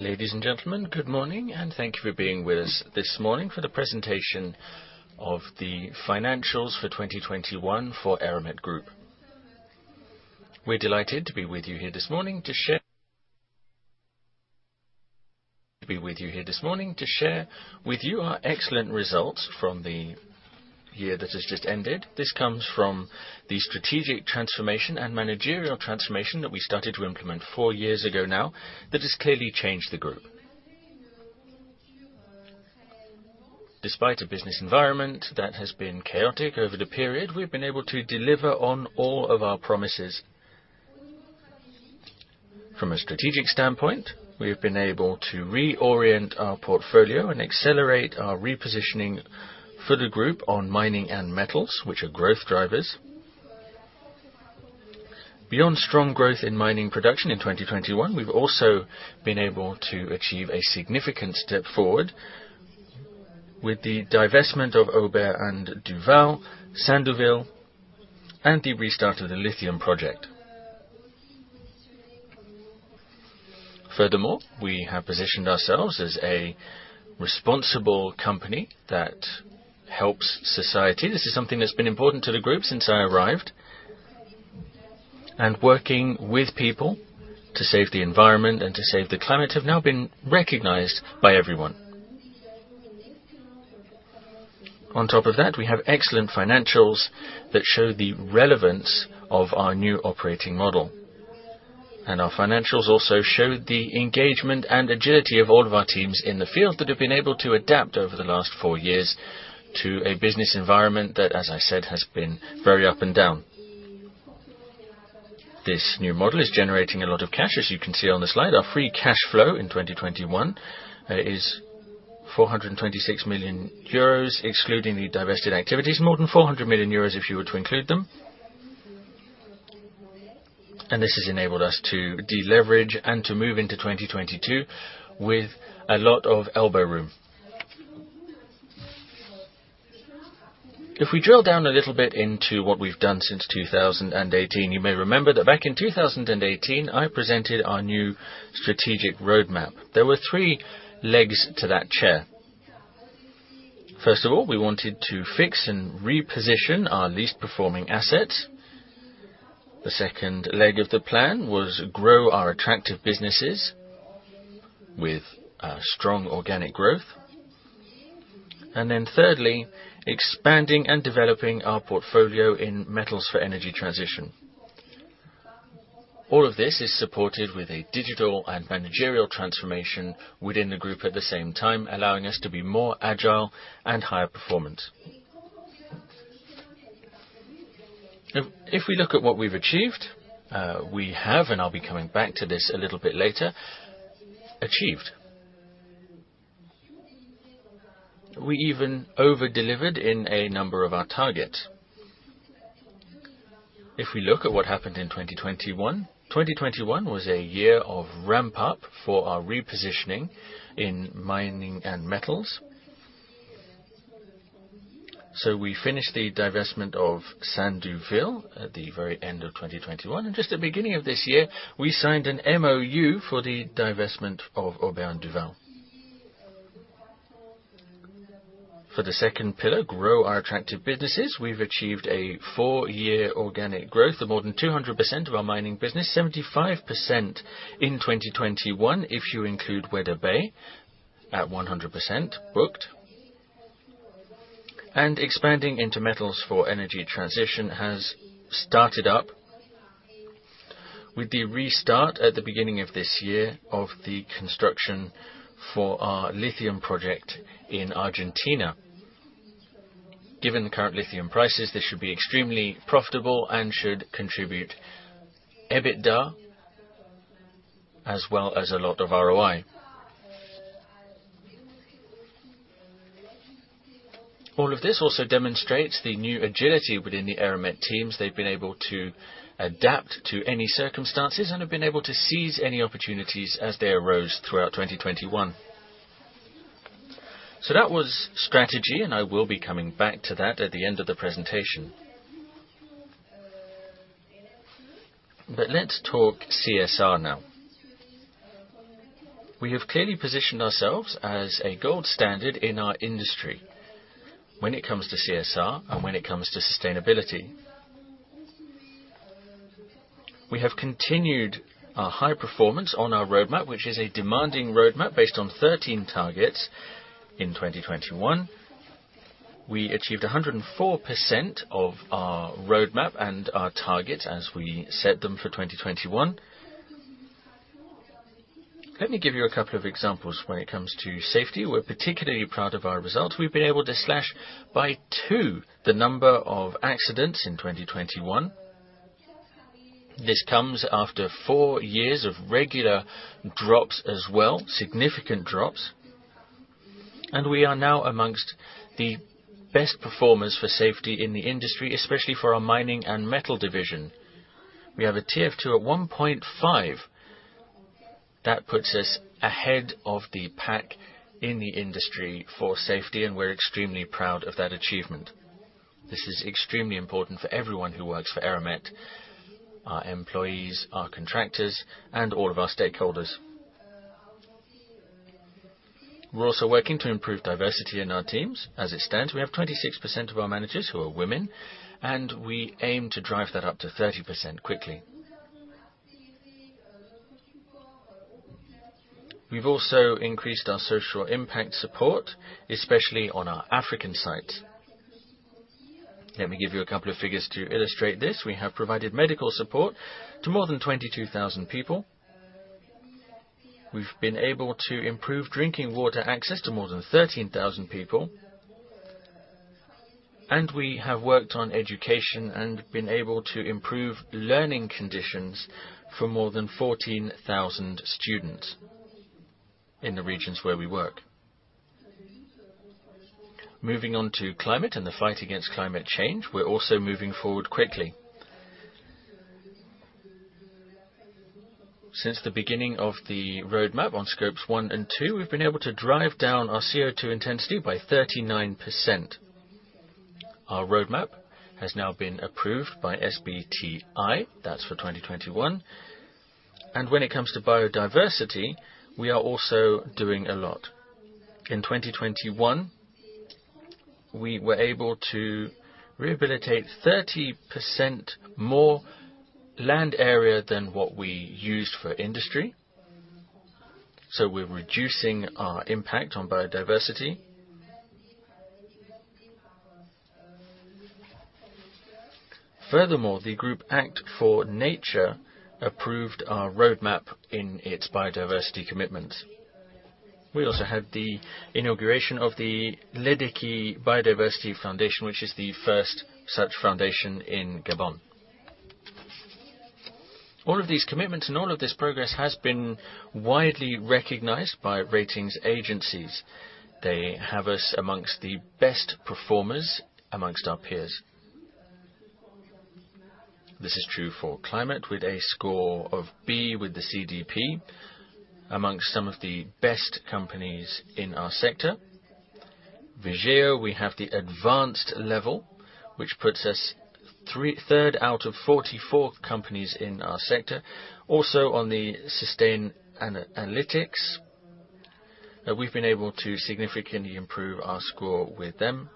Ladies and gentlemen, good morning and thank you for being with us this morning for the presentation of the financials for 2021 for Eramet Group. We're delighted to be with you here this morning to share with you our excellent results from the year that has just ended. This comes from the strategic transformation and managerial transformation that we started to implement four years ago now that has clearly changed the group. Despite a business environment that has been chaotic over the period, we've been able to deliver on all of our promises. From a strategic standpoint, we have been able to reorient our portfolio and accelerate our repositioning for the group on mining and metals, which are growth drivers. Beyond strong growth in mining production in 2021, we've also been able to achieve a significant step forward with the divestment of Aubert & Duval, Sandouville, and the restart of the lithium project. Furthermore, we have positioned ourselves as a responsible company that helps society. This is something that's been important to the group since I arrived. Working with people to save the environment and to save the climate have now been recognized by everyone. On top of that, we have excellent financials that show the relevance of our new operating model. Our financials also show the engagement and agility of all of our teams in the field that have been able to adapt over the last four years to a business environment that, as I said, has been very up and down. This new model is generating a lot of cash, as you can see on the slide. Our free cash flow in 2021 is 426 million euros, excluding the divested activities. More than 400 million euros if you were to include them. This has enabled us to de-leverage and to move into 2022 with a lot of elbow room. If we drill down a little bit into what we've done since 2018, you may remember that back in 2018, I presented our new strategic roadmap. There were three legs to that chair. First of all, we wanted to fix and reposition our least performing assets. The second leg of the plan was grow our attractive businesses with a strong organic growth. Then thirdly, expanding and developing our portfolio in metals for energy transition. All of this is supported with a digital and managerial transformation within the group at the same time, allowing us to be more agile and higher performance. If we look at what we've achieved, and I'll be coming back to this a little bit later. We even over-delivered in a number of our targets. If we look at what happened in 2021 was a year of ramp up for our repositioning in mining and metals. We finished the divestment of Sandouville at the very end of 2021, and just at the beginning of this year, we signed an MoU for the divestment of Aubert & Duval. For the second pillar, grow our attractive businesses, we've achieved a four-year organic growth of more than 200% of our mining business, 75% in 2021, if you include Weda Bay at 100% booked. Expanding into metals for energy transition has started up with the restart at the beginning of this year of the construction for our lithium project in Argentina. Given the current lithium prices, this should be extremely profitable and should contribute EBITDA as well as a lot of ROI. All of this also demonstrates the new agility within the Eramet teams. They've been able to adapt to any circumstances and have been able to seize any opportunities as they arose throughout 2021. That was strategy, and I will be coming back to that at the end of the presentation. Let's talk CSR now. We have clearly positioned ourselves as a gold standard in our industry when it comes to CSR and when it comes to sustainability. We have continued our high performance on our roadmap, which is a demanding roadmap based on 13 targets in 2021. We achieved 104% of our roadmap and our targets as we set them for 2021. Let me give you a couple of examples when it comes to safety. We're particularly proud of our results. We've been able to slash by two the number of accidents in 2021. This comes after four years of regular drops as well, significant drops. We are now amongst the best performers for safety in the industry, especially for our mining and metal division. We have a TF2 at 1.5. That puts us ahead of the pack in the industry for safety, and we're extremely proud of that achievement. This is extremely important for everyone who works for Eramet. Our employees, our contractors, and all of our stakeholders. We're also working to improve diversity in our teams. As it stands, we have 26% of our managers who are women, and we aim to drive that up to 30% quickly. We've also increased our social impact support, especially on our African sites. Let me give you a couple of figures to illustrate this. We have provided medical support to more than 22,000 people. We've been able to improve drinking water access to more than 13,000 people, and we have worked on education and been able to improve learning conditions for more than 14,000 students in the regions where we work. Moving on to climate and the fight against climate change, we're also moving forward quickly. Since the beginning of the roadmap on Scope 1 and 2, we've been able to drive down our CO₂ intensity by 39%. Our roadmap has now been approved by SBTi. That's for 2021. When it comes to biodiversity, we are also doing a lot. In 2021, we were able to rehabilitate 30% more land area than what we used for industry, so we're reducing our impact on biodiversity. Furthermore, the group act4nature approved our roadmap in its biodiversity commitment. We also had the inauguration of the Lékédi Biodiversity Foundation, which is the first such foundation in Gabon. All of these commitments and all of this progress has been widely recognized by ratings agencies. They have us among the best performers among our peers. This is true for climate with a score of B with the CDP amongst some of the best companies in our sector. Vigeo, we have the advanced level, which puts us third out of 44 companies in our sector. Also on the Sustainalytics, we've been able to significantly improve our score with them.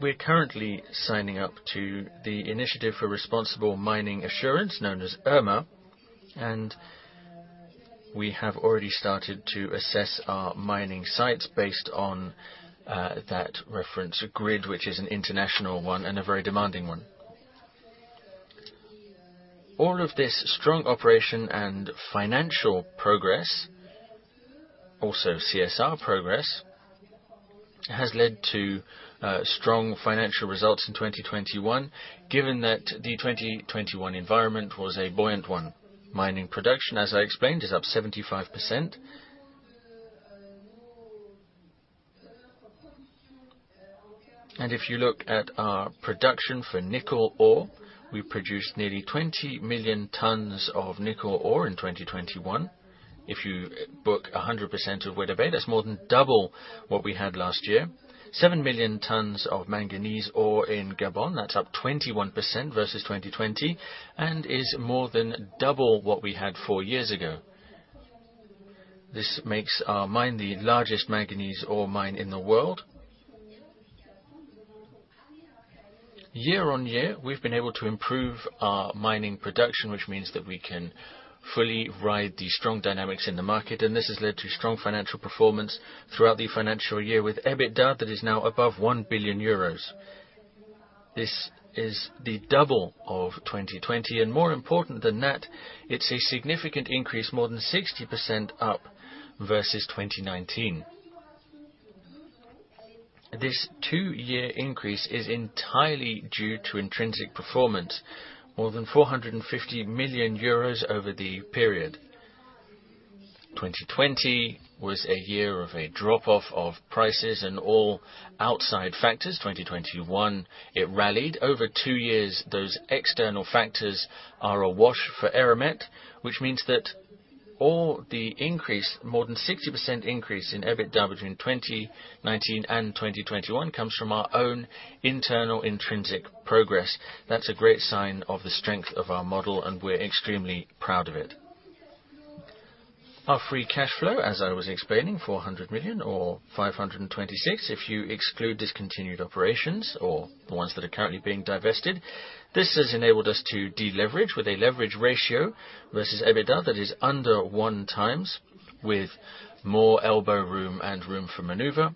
We're currently signing up to the Initiative for Responsible Mining Assurance, known as IRMA, and we have already started to assess our mining sites based on that reference grid, which is an international one and a very demanding one. All of this strong operational and financial progress, also CSR progress, has led to strong financial results in 2021. Given that the 2021 environment was a buoyant one, mining production, as I explained, is up 75%. If you look at our production for nickel ore, we produced nearly 20 million tons of nickel ore in 2021. If you book 100% of Weda Bay, that's more than double what we had last year. 7 million tons of manganese ore in Gabon, that's up 21% versus 2020, and is more than double what we had four years ago. This makes our mine the largest manganese ore mine in the world. Year on year, we've been able to improve our mining production, which means that we can fully ride the strong dynamics in the market, and this has led to strong financial performance throughout the financial year with EBITDA that is now above 1 billion euros. This is the double of 2020, and more important than that, it's a significant increase, more than 60% up versus 2019. This two-year increase is entirely due to intrinsic performance, more than 450 million euros over the period. 2020 was a year of a drop-off of prices and all outside factors. 2021, it rallied. Over two years, those external factors are a wash for Eramet, which means that all the increase, more than 60% increase in EBITDA between 2019 and 2021 comes from our own internal intrinsic progress. That's a great sign of the strength of our model, and we're extremely proud of it. Our free cash flow, as I was explaining, 400 million or 526, if you exclude discontinued operations or the ones that are currently being divested. This has enabled us to deleverage with a leverage ratio versus EBITDA that is under 1x with more elbow room and room for maneuver.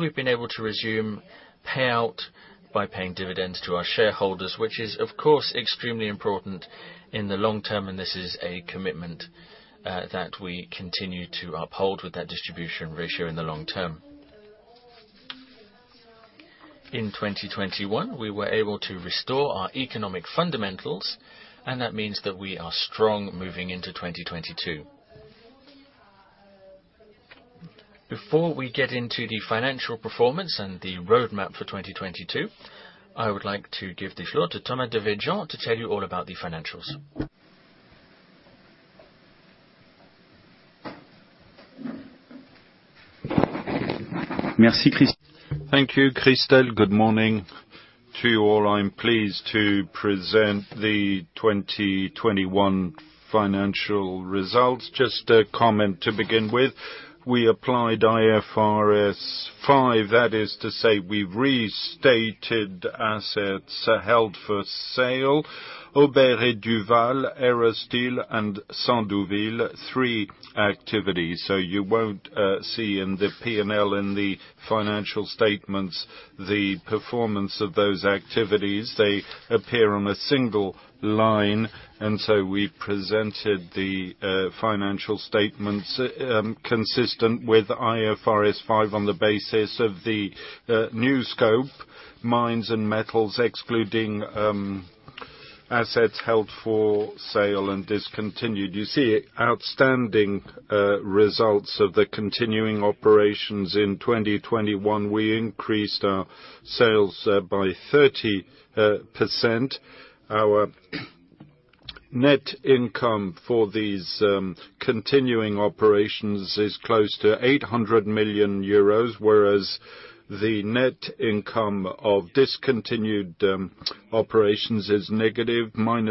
We've been able to resume payout by paying dividends to our shareholders, which is, of course, extremely important in the long term, and this is a commitment that we continue to uphold with that distribution ratio in the long term. In 2021, we were able to restore our economic fundamentals, and that means that we are strong moving into 2022. Before we get into the financial performance and the roadmap for 2022, I would like to give the floor to Thomas Devedjian to tell you all about the financials. Thank you, Christel. Good morning to you all. I'm pleased to present the 2021 financial results. Just a comment to begin with. We applied IFRS 5. That is to say, we restated assets held for sale, Aubert & Duval, Erasteel, and Sandouville, three activities. You won't see in the P&L in the financial statements the performance of those activities. They appear on a single line, and so we presented the financial statements consistent with IFRS 5 on the basis of the new scope, mines and metals, excluding assets held for sale and discontinued. You see outstanding results of the continuing operations in 2021. We increased our sales by 30%. Our net income for these continuing operations is close to 800 million euros, whereas the net income of discontinued operations is negative, -4 million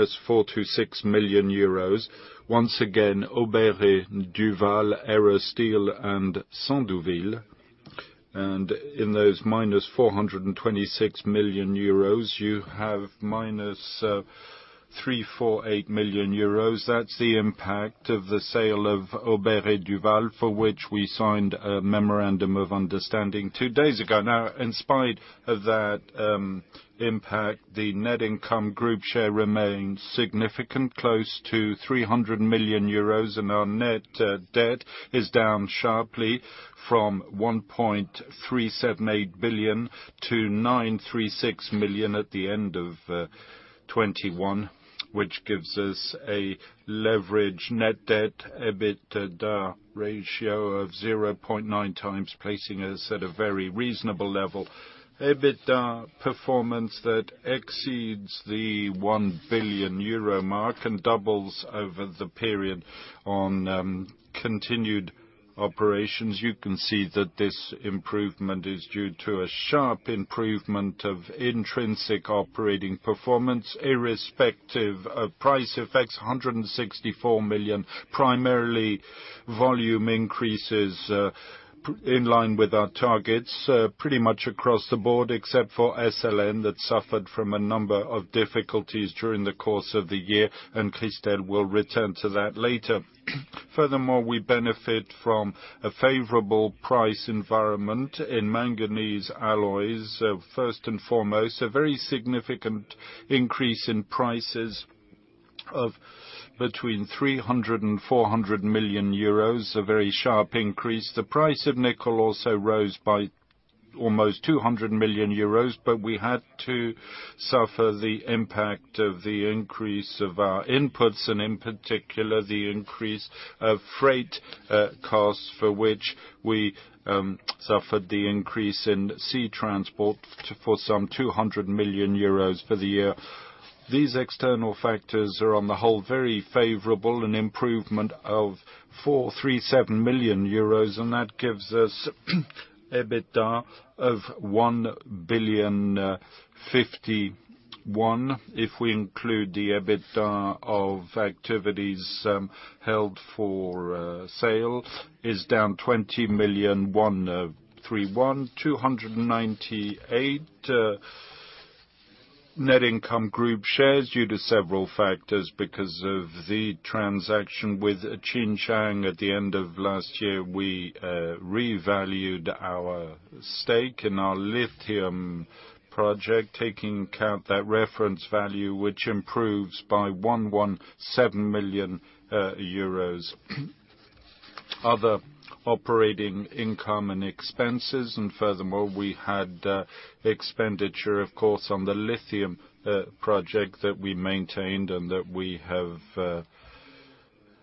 to -6 million euros. Once again, Aubert & Duval, Erasteel, and Sandouville. In those -426 million euros, you have -348 million euros. That's the impact of the sale of Aubert & Duval, for which we signed a memorandum of understanding two days ago. Now, in spite of that impact, the net income group share remains significant, close to 300 million euros, and our net debt is down sharply from 1.378 billion to 936 million at the end of 2021, which gives us a leverage net debt, EBITDA ratio of 0.9 times, placing us at a very reasonable level. EBITDA performance that exceeds the 1 billion euro mark and doubles over the period on continued operations. You can see that this improvement is due to a sharp improvement of intrinsic operating performance, irrespective of price effects, 164 million, primarily volume increases in line with our targets pretty much across the board, except for SLN, that suffered from a number of difficulties during the course of the year, and Christel will return to that later. Furthermore, we benefit from a favorable price environment in manganese alloys. First and foremost, a very significant increase in prices of between 300 million euros and 400 million euros, a very sharp increase. The price of nickel also rose by almost 200 million euros, but we had to suffer the impact of the increase of our inputs, and in particular, the increase of freight costs, for which we suffered the increase in sea transport for some 200 million euros for the year. These external factors are on the whole very favorable, an improvement of 437 million euros, and that gives us EBITDA of 1.051 billion. If we include the EBITDA of activities held for sale, it is down 20.10 Million. 298 net income Group share due to several factors because of the transaction with Tsingshan at the end of last year, we revalued our stake in our lithium project, taking into account the reference value, which improves by 117 million euros. Other operating income and expenses, and furthermore, we had expenditure, of course, on the lithium project that we maintained and that we have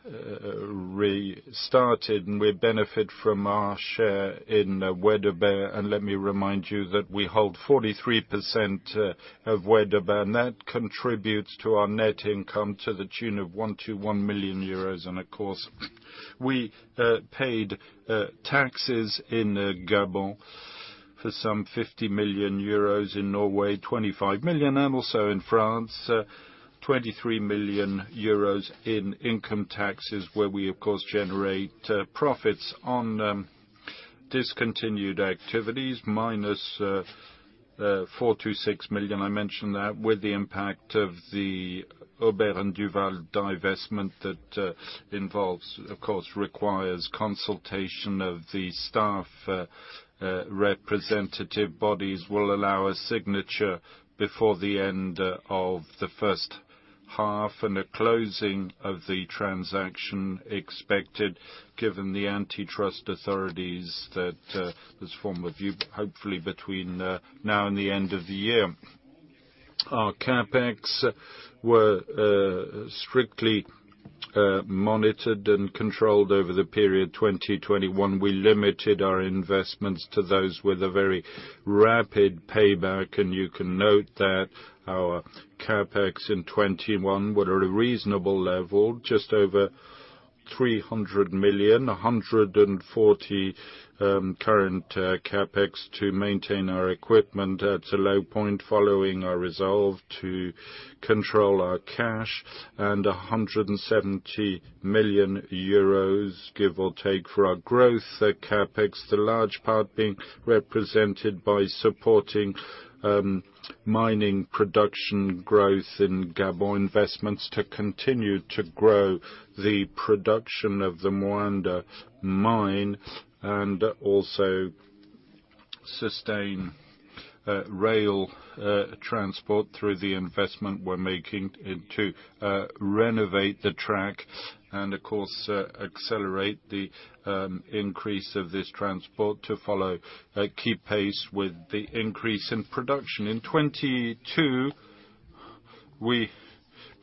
restarted, and we benefit from our share in Weda Bay. Let me remind you that we hold 43% of Weda Bay, and that contributes to our net income to the tune of 1-1 million euros. Of course, we paid taxes in Gabon for some 50 million euros, in Norway, 25 million, and also in France, 23 million euros in income taxes, where we of course generate profits on discontinued activities, minus -4 million to EUR-6 million. I mentioned that with the impact of the Aubert & Duval divestment that involves, of course, requires consultation of the staff. Representative bodies will allow a signature before the end of the first half and a closing of the transaction expected, given the antitrust authorities, that this timeframe, hopefully between now and the end of the year. Our CapEx were strictly monitored and controlled over the period 2021. We limited our investments to those with a very rapid payback, and you can note that our CapEx in 2021 were at a reasonable level, just over 300 million, 140 current CapEx to maintain our equipment. That's a low point following our resolve to control our cash and 170 million euros, give or take, for our growth, the CapEx, the large part being represented by supporting mining production growth in Gabon, investments to continue to grow the production of the Moanda mine and also sustain rail transport through the investment we're making and to renovate the track and, of course, accelerate the increase of this transport to keep pace with the increase in production. In 2022, we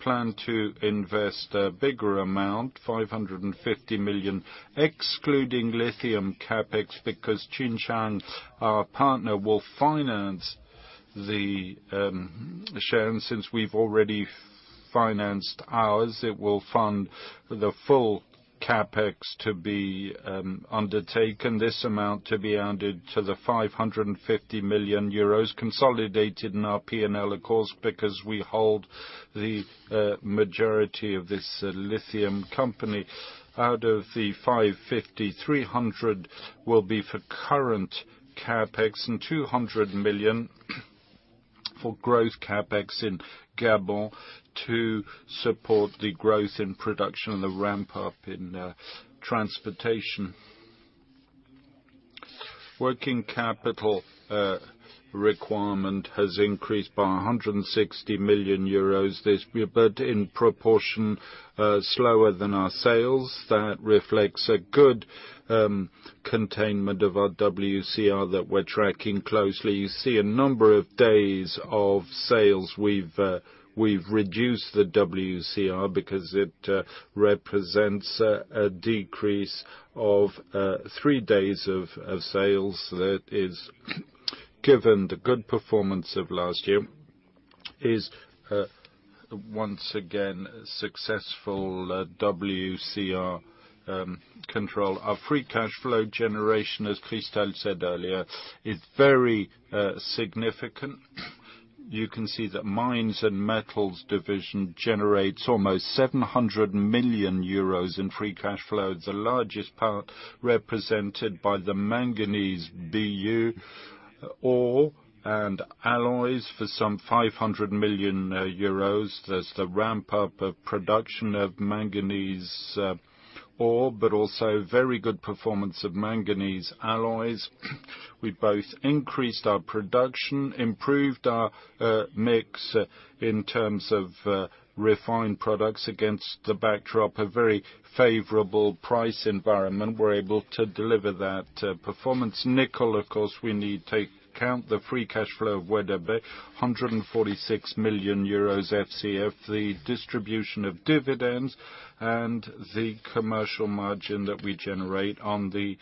plan to invest a bigger amount, 550 million, excluding lithium CapEx, because Tsingshan, our partner, will finance the share. Since we've already financed ours, it will fund the full CapEx to be undertaken. This amount to be added to the 550 million euros consolidated in our P&L, of course, because we hold the majority of this lithium company. Out of the 550, 300 will be for current CapEx and 200 million for growth CapEx in Gabon to support the growth in production and the ramp up in transportation. Working capital requirement has increased by 160 million euros this year, but in proportion slower than our sales. That reflects a good containment of our WCR that we're tracking closely. You see a number of days of sales we've reduced the WCR because it represents a decrease of three days of sales. That is, given the good performance of last year, once again successful WCR control. Our free cash flow generation, as Christel said earlier, is very significant. You can see that Mines and Metals division generates almost 700 million euros in free cash flows, the largest part represented by the manganese BU ore and alloys for some 500 million euros. There's the ramp up of production of manganese ore, but also very good performance of manganese alloys. We both increased our production, improved our mix in terms of refined products against the backdrop of very favorable price environment. We're able to deliver that performance. Nickel, of course, we need to take into account the free cash flow of Weda Bay, 146 million euros FCF, the distribution of dividends and the commercial margin that we generate on the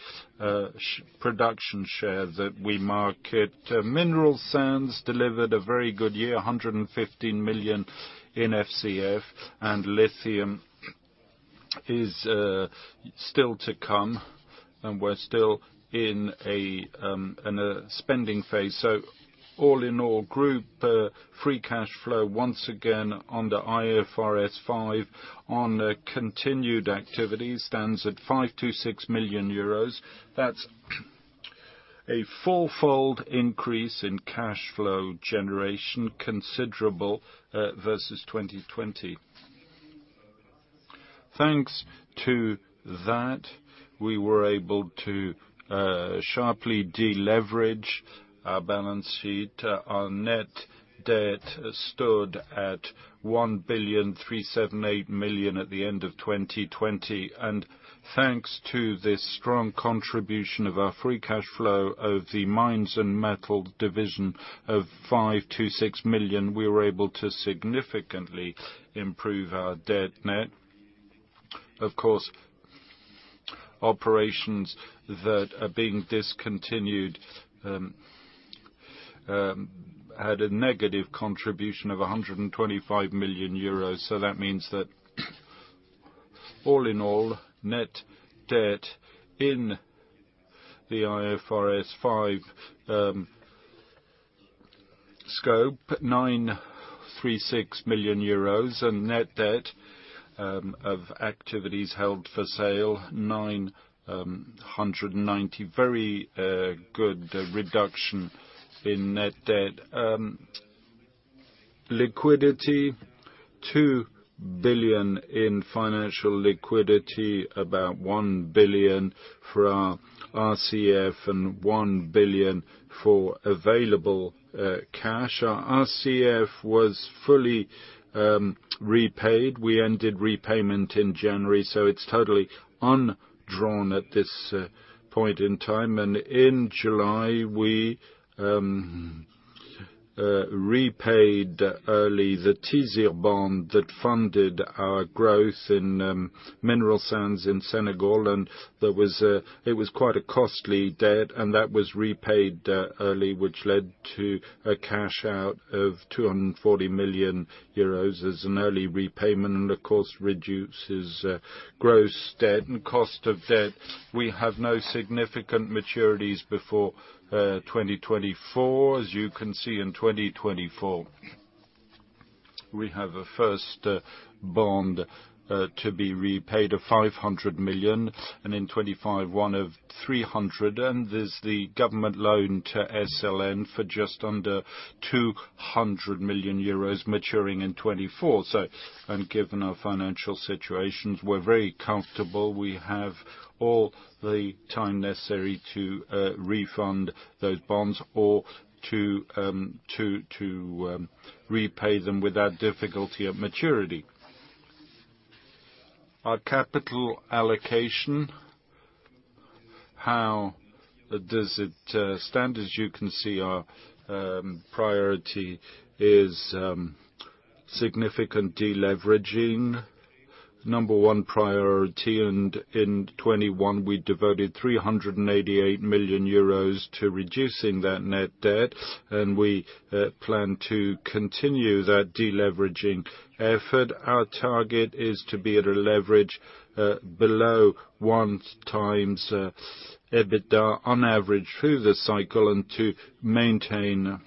production share that we market. Mineral sands delivered a very good year, 115 million in FCF. Lithium is still to come, and we're still in a spending phase. All in all, group free cash flow, once again, under IFRS 5 on continued activities stands at 5 million-6 million euros. That's a four-fold increase in cash flow generation, considerable, versus 2020. Thanks to that, we were able to sharply deleverage our balance sheet. Our net debt stood at 1,378 million at the end of 2020. Thanks to this strong contribution of our free cash flow of the Mines and Metals division of 5 million-6 million, we were able to significantly improve our net debt. Of course, operations that are being discontinued had a negative contribution of 125 million euros. That means that all in all, net debt in the IFRS 5 scope, 936 million euros and net debt of activities held for sale, 990 million. Very good reduction in net debt. Liquidity, 2 billion in financial liquidity, about 1 billion for our RCF and 1 billion for available cash. Our RCF was fully repaid. We ended repayment in January, so it's totally undrawn at this point in time. In July, we repaid early the TiZir bond that funded our growth in mineral sands in Senegal. It was quite a costly debt, and that was repaid early, which led to a cash out of 240 million euros as an early repayment and of course reduces gross debt and cost of debt. We have no significant maturities before 2024. As you can see, in 2024 we have a first bond to be repaid of 500 million, and in 2025, one of 300. There's the government loan to SLN for just under 200 million euros maturing in 2024. Given our financial situations, we're very comfortable. We have all the time necessary to refund those bonds or to repay them without difficulty at maturity. Our capital allocation, how does it stand? As you can see, our priority is significant deleveraging, number one priority. In 2021 we devoted 388 million euros to reducing that net debt, and we plan to continue that deleveraging effort. Our target is to be at a leverage below one times EBITDA on average through the cycle, and to maintain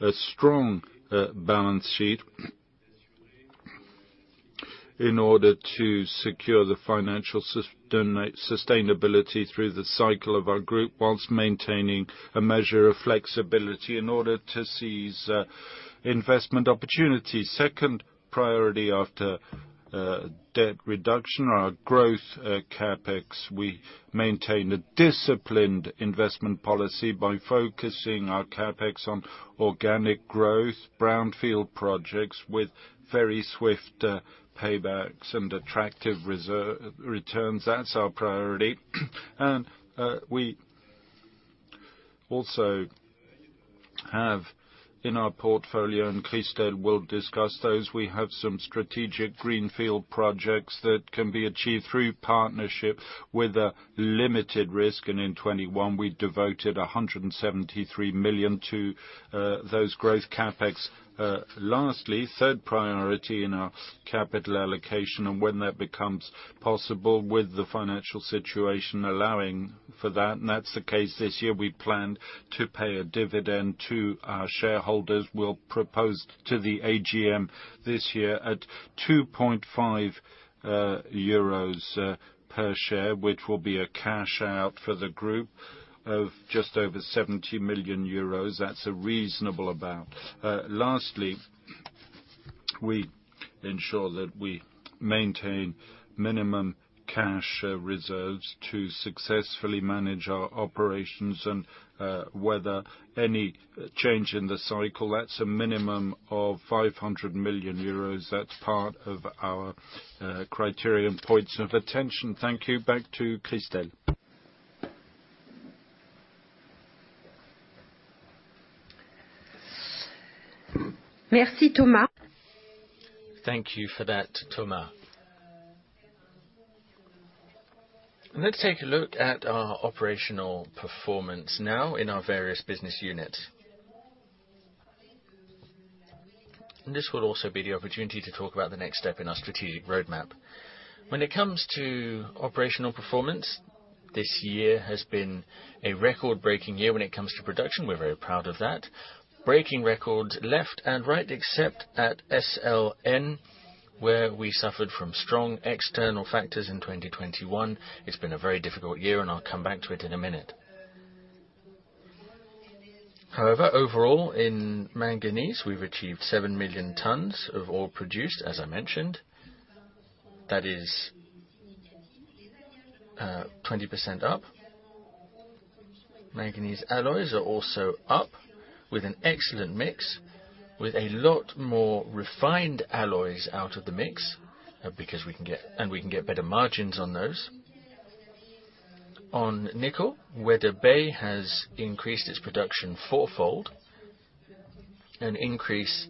a strong balance sheet in order to secure the financial sustainability through the cycle of our group, while maintaining a measure of flexibility in order to seize investment opportunities. Second priority after debt reduction, our growth CapEx. We maintain a disciplined investment policy by focusing our CapEx on organic growth, brownfield projects with very swift paybacks and attractive returns. That's our priority. We also have in our portfolio, and Christel will discuss those, we have some strategic greenfield projects that can be achieved through partnership with a limited risk. In 2021 we devoted 173 million to those growth CapEx. Lastly, third priority in our capital allocation, and when that becomes possible with the financial situation allowing for that, and that's the case this year, we plan to pay a dividend to our shareholders. We'll propose to the AGM this year at 2.5 euros per share, which will be a cash out for the group of just over 70 million euros. That's a reasonable amount. Lastly, we ensure that we maintain minimum cash reserves to successfully manage our operations and weather any change in the cycle. That's a minimum of 500 million euros. That's part of our criterion points of attention. Thank you. Back to Christel. Merci, Thomas. Thank you for that, Thomas. Let's take a look at our operational performance now in our various business units. This will also be the opportunity to talk about the next step in our strategic roadmap. When it comes to operational performance, this year has been a record-breaking year when it comes to production. We're very proud of that. Breaking records left and right, except at SLN, where we suffered from strong external factors in 2021. It's been a very difficult year, and I'll come back to it in a minute. However, overall, in manganese, we've achieved 7 million tons of ore produced, as I mentioned. That is 20% up. Manganese alloys are also up with an excellent mix, with a lot more refined alloys out of the mix, because we can get better margins on those. On nickel, where Weda Bay has increased its production four-fold, an increase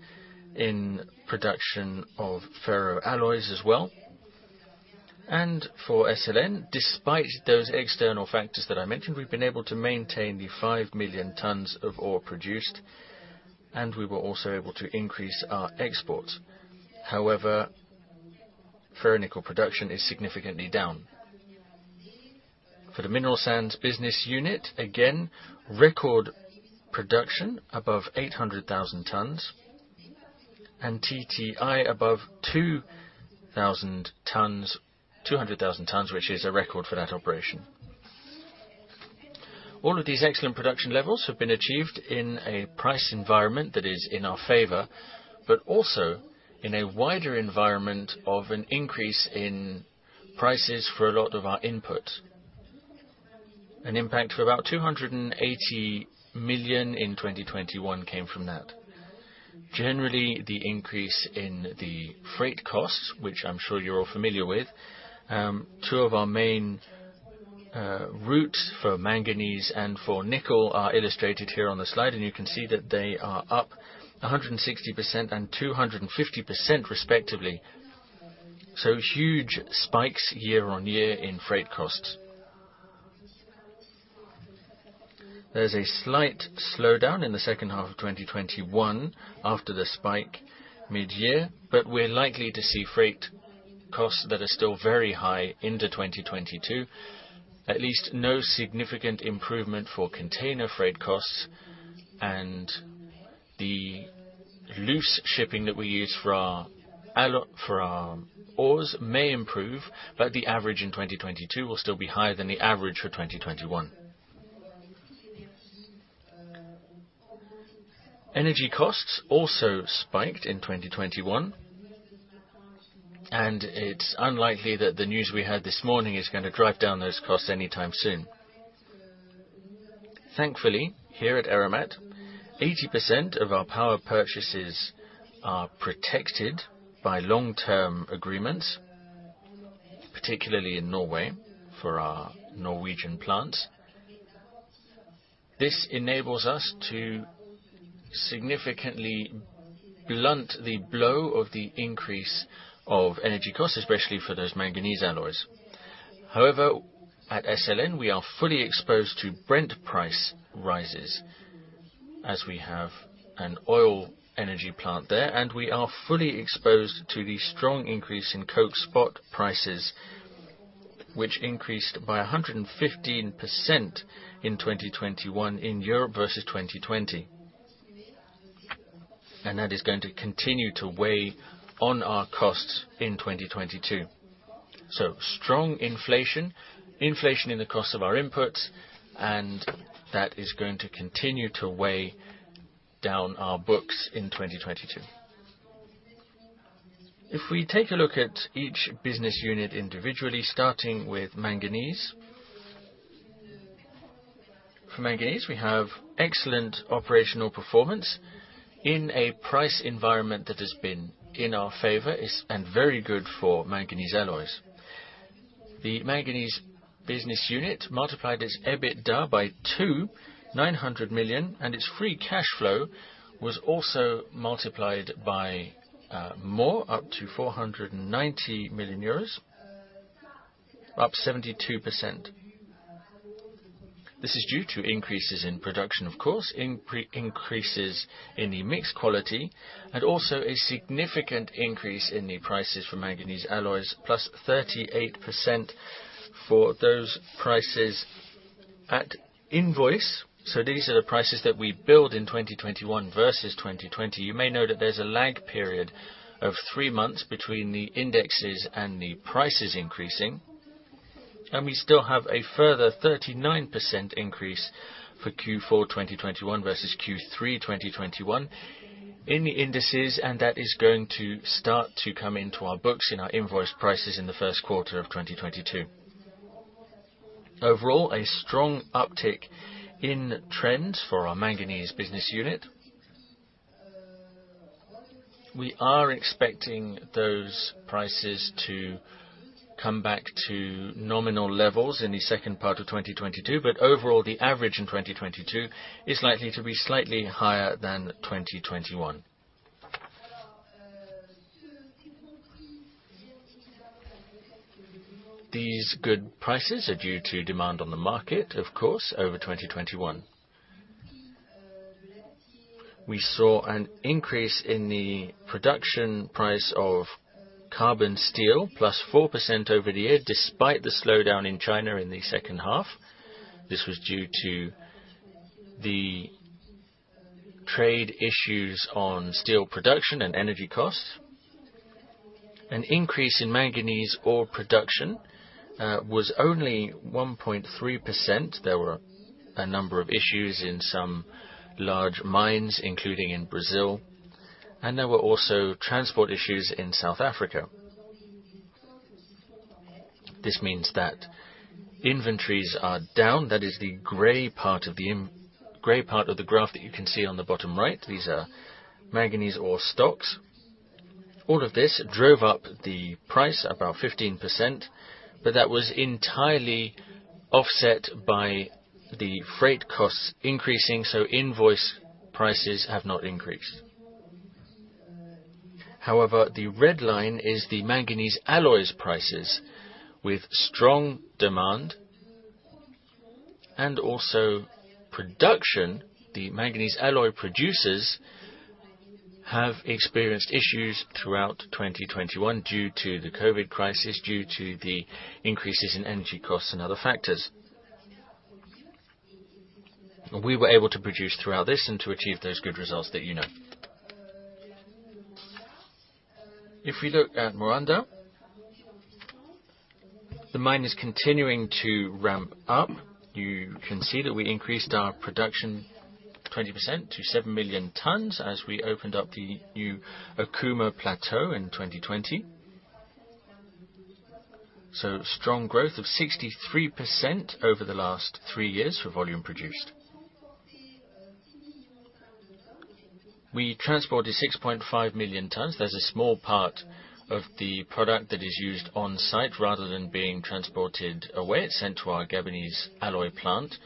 in production of ferro alloys as well. For SLN, despite those external factors that I mentioned, we've been able to maintain the 5 million tons of ore produced, and we were also able to increase our exports. However, ferronickel production is significantly down. For the mineral sands business unit, again, record production above 800,000 tons, and TiO2 above 200,000 tons, which is a record for that operation. All of these excellent production levels have been achieved in a price environment that is in our favor, but also in a wider environment of an increase in prices for a lot of our inputs. An impact of about 280 million in 2021 came from that. Generally, the increase in the freight costs, which I'm sure you're all familiar with, two of our main routes for manganese and for nickel are illustrated here on the slide, and you can see that they are up 160% and 250% respectively. Huge spikes year on year in freight costs. There's a slight slowdown in the second half of 2021 after the spike mid-year, but we're likely to see freight costs that are still very high into 2022. At least no significant improvement for container freight costs and the loose shipping that we use for our ores may improve, but the average in 2022 will still be higher than the average for 2021. Energy costs also spiked in 2021, and it's unlikely that the news we had this morning is gonna drive down those costs anytime soon. Thankfully, here at Eramet, 80% of our power purchases are protected by long-term agreements, particularly in Norway for our Norwegian plants. This enables us to significantly blunt the blow of the increase of energy costs, especially for those manganese alloys. However, at SLN, we are fully exposed to Brent price rises, as we have an oil energy plant there, and we are fully exposed to the strong increase in coke spot prices, which increased by 115% in 2021 in Europe versus 2020. That is going to continue to weigh on our costs in 2022. Strong inflation in the cost of our inputs, and that is going to continue to weigh down our books in 2022. If we take a look at each business unit individually, starting with manganese. For manganese, we have excellent operational performance in a price environment that has been in our favor and very good for manganese alloys. The manganese business unit multiplied its EBITDA by 2, 900 million, and its free cash flow was also multiplied by more up to 490 million euros, up 72%. This is due to increases in production, of course, increases in the mix quality, and also a significant increase in the prices for manganese alloys, +38% for those prices at invoice. These are the prices that we billed in 2021 versus 2020. You may know that there's a lag period of 3 months between the indices and the prices increasing. We still have a further 39% increase for Q4 2021 versus Q3 2021 in the indices, and that is going to start to come into our books in our invoice prices in the first quarter of 2022. Overall, a strong uptick in trends for our manganese business unit. We are expecting those prices to come back to nominal levels in the second part of 2022, but overall, the average in 2022 is likely to be slightly higher than 2021. These good prices are due to demand on the market, of course, over 2021. We saw an increase in the production price of carbon steel, +4% over the year, despite the slowdown in China in the second half. This was due to the trade issues on steel production and energy costs. An increase in manganese ore production was only 1.3%. There were a number of issues in some large mines, including in Brazil, and there were also transport issues in South Africa. This means that inventories are down. That is the gray part of the graph that you can see on the bottom right. These are manganese ore stocks. All of this drove up the price about 15%, but that was entirely offset by the freight costs increasing, so invoice prices have not increased. However, the red line is the manganese alloys prices with strong demand and also production. The manganese alloy producers have experienced issues throughout 2021 due to the COVID crisis, due to the increases in energy costs and other factors. We were able to produce throughout this and to achieve those good results that you know. If we look at Moanda, the mine is continuing to ramp up. You can see that we increased our production 20% to 7 million tons as we opened up the new Okouma Plateau in 2020. Strong growth of 63% over the last three years for volume produced. We transported 6.5 million tons. There's a small part of the product that is used on-site rather than being transported away. It's sent to our Gabonese alloy plant.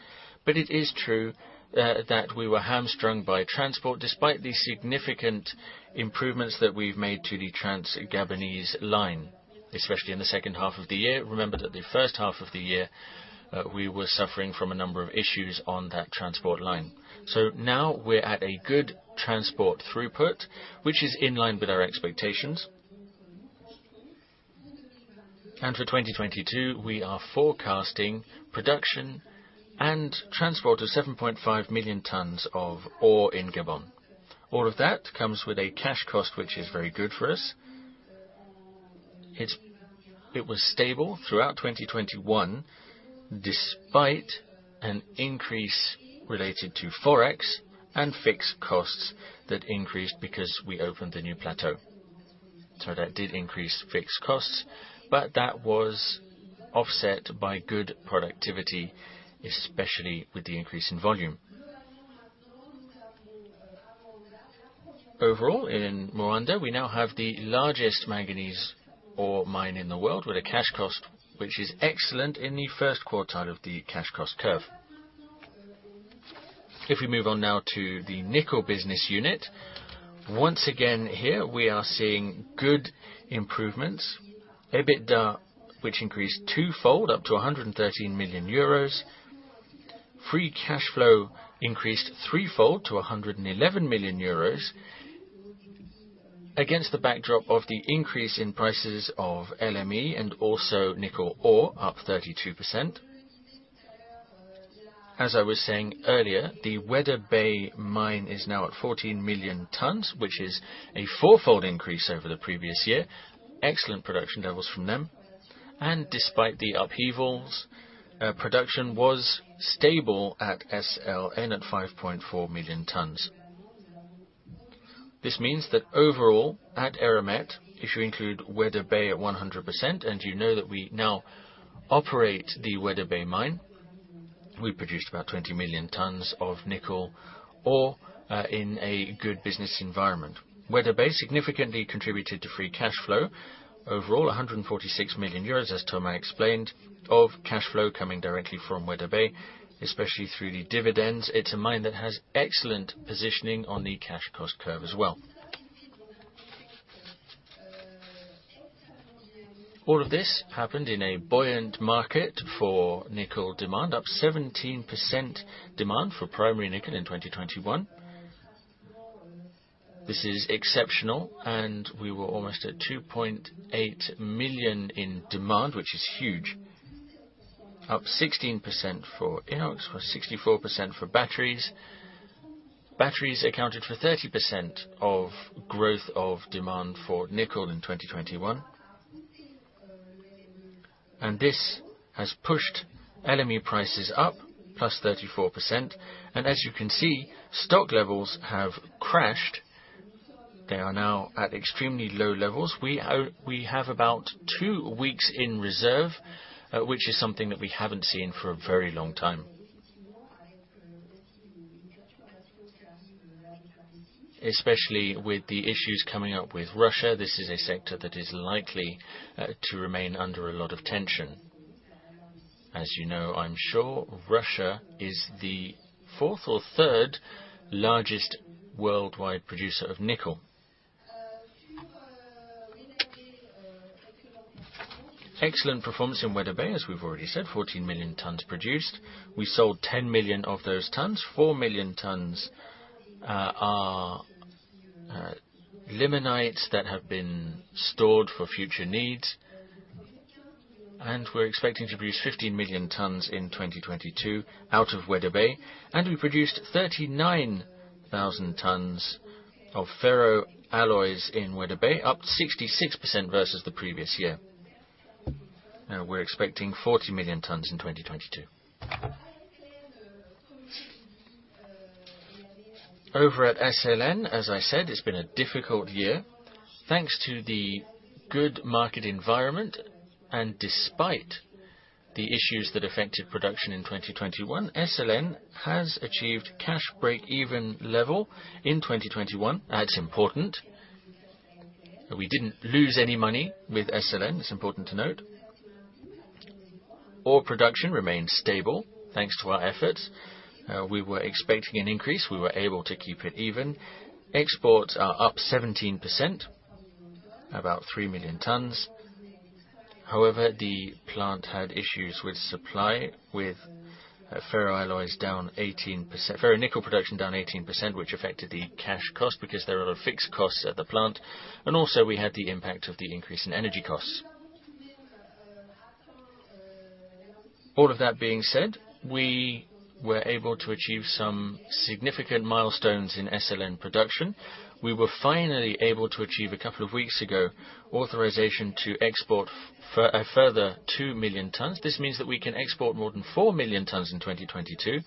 It is true that we were hamstrung by transport despite the significant improvements that we've made to the Trans-Gabon Railway, especially in the second half of the year. Remember that the first half of the year we were suffering from a number of issues on that transport line. Now we're at a good transport throughput, which is in line with our expectations. For 2022, we are forecasting production and transport of 7.5 million tons of ore in Gabon. All of that comes with a cash cost, which is very good for us. It was stable throughout 2021, despite an increase related to forex and fixed costs that increased because we opened the new plateau. That did increase fixed costs, but that was offset by good productivity, especially with the increase in volume. Overall, in Moanda, we now have the largest manganese ore mine in the world with a cash cost, which is excellent in the first quartile of the cash cost curve. If we move on now to the nickel business unit, once again here we are seeing good improvements. EBITDA, which increased two-fold up to 113 million euros. Free cash flow increased three-fold to 111 million euros against the backdrop of the increase in prices of LME and also nickel ore up 32%. As I was saying earlier, the Weda Bay mine is now at 14 million tons, which is a four-fold increase over the previous year. Excellent production levels from them. Despite the upheavals, production was stable at SLN at 5.4 million tons. This means that overall at Eramet, if you include Weda Bay at 100%, and you know that we now operate the Weda Bay mine, we produced about 20 million tons of nickel ore in a good business environment. Weda Bay significantly contributed to free cash flow. Overall, 146 million euros, as Thomas explained, of cash flow coming directly from Weda Bay, especially through the dividends. It's a mine that has excellent positioning on the cash cost curve as well. All of this happened in a buoyant market for nickel demand, up 17% demand for primary nickel in 2021. This is exceptional, and we were almost at 2.8 million in demand, which is huge. Up 16% for Inox, plus 64% for batteries. Batteries accounted for 30% of growth of demand for nickel in 2021. This has pushed LME prices up plus 34%. As you can see, stock levels have crashed. They are now at extremely low levels. We have about two weeks in reserve, which is something that we haven't seen for a very long time. Especially with the issues coming up with Russia, this is a sector that is likely to remain under a lot of tension. As you know, I'm sure Russia is the fourth or third largest worldwide producer of nickel. Excellent performance in Weda Bay, as we've already said, 14 million tons produced. We sold 10 million of those tons. 4 million tons are limonites that have been stored for future needs. We're expecting to produce 15 million tons in 2022 out of Weda Bay. We produced 39,000 tons of ferro alloys in Weda Bay, up 66% versus the previous year. We're expecting 40 million tons in 2022. Over at SLN, as I said, it's been a difficult year. Thanks to the good market environment and despite the issues that affected production in 2021, SLN has achieved cash break-even level in 2021. That's important. We didn't lose any money with SLN. It's important to note. Ore production remained stable thanks to our efforts. We were expecting an increase. We were able to keep it even. Exports are up 17%, about 3 million tons. However, the plant had issues with supply, with ferronickel down 18%. Ferronickel production down 18%, which affected the cash cost because there are fixed costs at the plant. We also had the impact of the increase in energy costs. All of that being said, we were able to achieve some significant milestones in SLN production. We were finally able to achieve a couple of weeks ago, authorization to export a further 2 million tons. This means that we can export more than 4 million tons in 2022.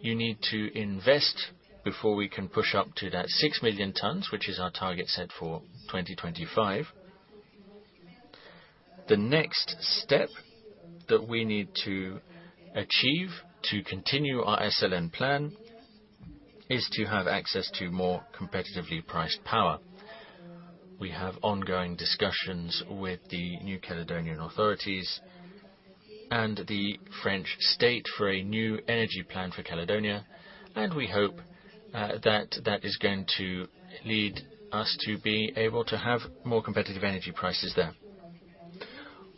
You need to invest before we can push up to that 6 million tons, which is our target set for 2025. The next step that we need to achieve to continue our SLN plan is to have access to more competitively priced power. We have ongoing discussions with the New Caledonian authorities and the French state for a new energy plan for Caledonia, and we hope that that is going to lead us to be able to have more competitive energy prices there.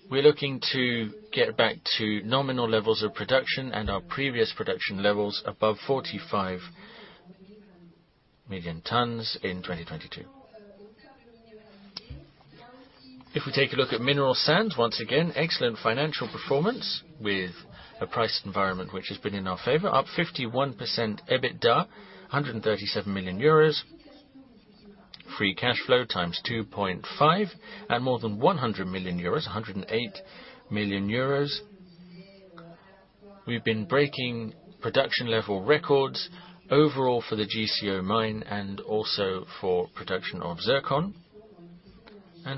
We're looking to get back to nominal levels of production and our previous production levels above 45 million tons in 2022. If we take a look at mineral sands, once again, excellent financial performance with a price environment which has been in our favor, up 51% EBITDA, 137 million euros. Free cash flow 2.5 times at more than 100 million euros, 108 million euros. We've been breaking production level records overall for the GCO mine and also for production of zircon.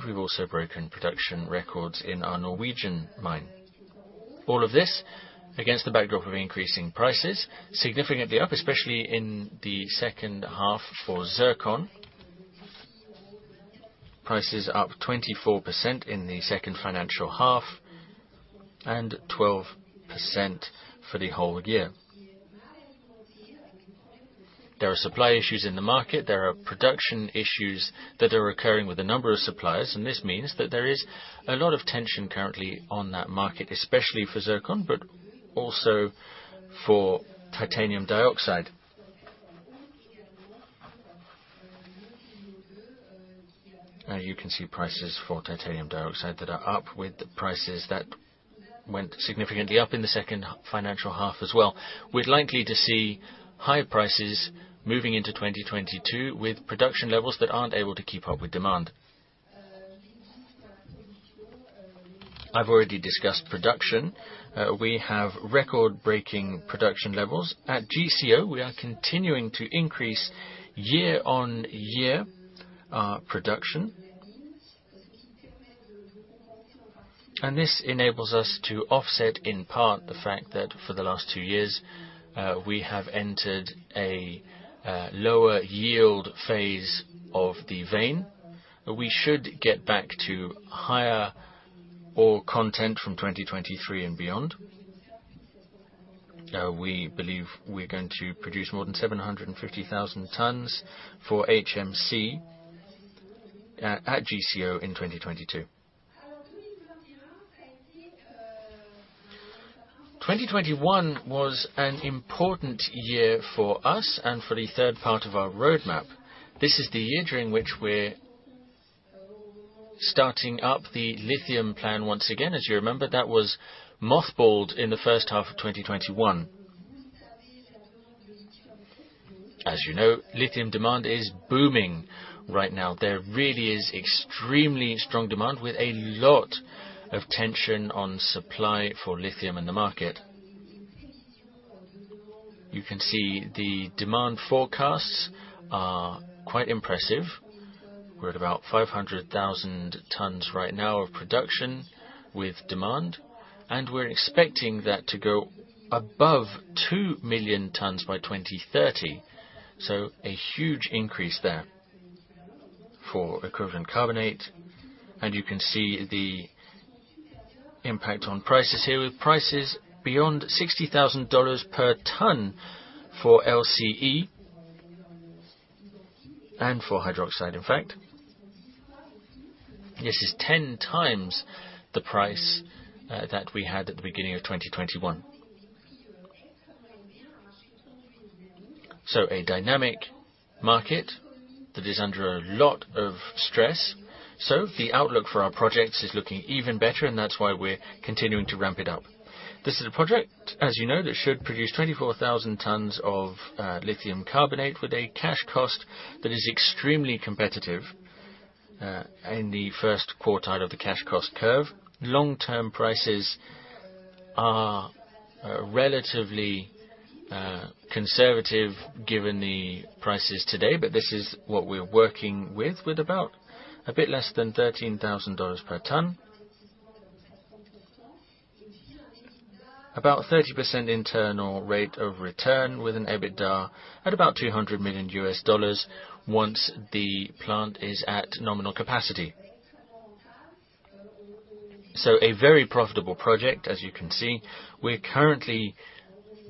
We've also broken production records in our Norwegian mine. All of this against the backdrop of increasing prices, significantly up, especially in the second half for zircon. Prices up 24% in the second financial half and 12% for the whole year. There are supply issues in the market. There are production issues that are occurring with a number of suppliers, and this means that there is a lot of tension currently on that market, especially for zircon, but also for titanium dioxide. You can see prices for titanium dioxide that are up with the prices that went significantly up in the second financial half as well. We're likely to see higher prices moving into 2022 with production levels that aren't able to keep up with demand. I've already discussed production. We have record-breaking production levels. At GCO, we are continuing to increase year on year our production. This enables us to offset in part the fact that for the last two years, we have entered a lower yield phase of the vein. We should get back to higher ore content from 2023 and beyond. We believe we're going to produce more than 750,000 tons for HMC at GCO in 2022. 2021 was an important year for us and for the third part of our roadmap. This is the year during which we're starting up the lithium plant once again. As you remember, that was mothballed in the first half of 2021. As you know, lithium demand is booming right now. There really is extremely strong demand with a lot of tension on supply for lithium in the market. You can see the demand forecasts are quite impressive. We're at about 500,000 tons right now of production with demand, and we're expecting that to go above 2 million tons by 2030. A huge increase there for equivalent carbonate. You can see the impact on prices here, with prices beyond $60,000 per ton for LCE and for hydroxide, in fact. This is 10 times the price that we had at the beginning of 2021. A dynamic market that is under a lot of stress. The outlook for our projects is looking even better, and that's why we're continuing to ramp it up. This is a project, as you know, that should produce 24,000 tons of lithium carbonate with a cash cost that is extremely competitive in the first quartile of the cash cost curve. Long-term prices are relatively conservative given the prices today, but this is what we're working with about a bit less than $13,000 per ton. About 30% internal rate of return with an EBITDA at about $200 million once the plant is at nominal capacity. A very profitable project, as you can see. We're currently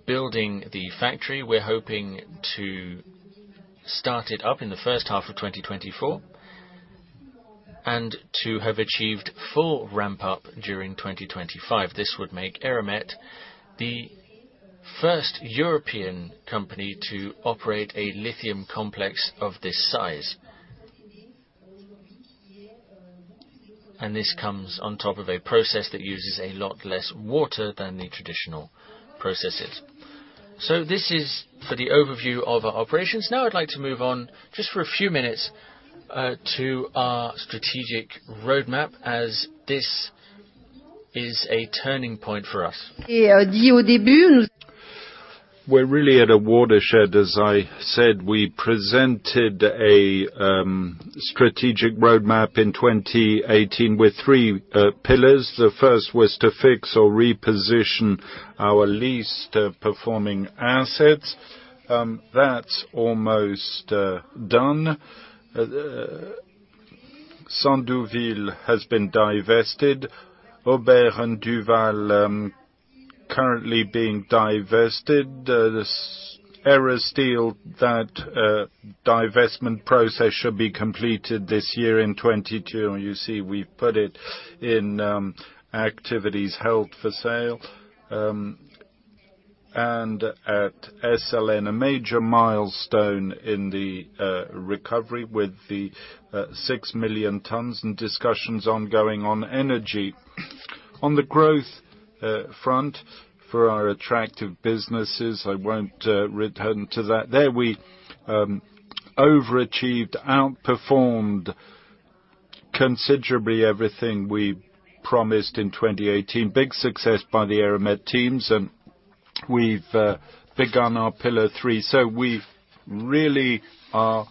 building the factory. We're hoping to start it up in the first half of 2024 and to have achieved full ramp up during 2025. This would make Eramet the first European company to operate a lithium complex of this size. This comes on top of a process that uses a lot less water than the traditional processes. This is for the overview of our operations. Now I'd like to move on just for a few minutes to our strategic roadmap as this is a turning point for us. We're really at a watershed, as I said. We presented a strategic roadmap in 2018 with three pillars. The first was to fix or reposition our least performing assets. That's almost done. Sandouville has been divested. Aubert & Duval currently being divested. The Erasteel, that divestment process should be completed this year in 2022. You see we've put it in assets held for sale. At SLN, a major milestone in the recovery with the 6 million tons and discussions ongoing on energy. On the growth front for our attractive businesses, I won't return to that. There we overachieved, outperformed considerably everything we promised in 2018. Big success by the Eramet teams, and we've begun our pillar three. We really are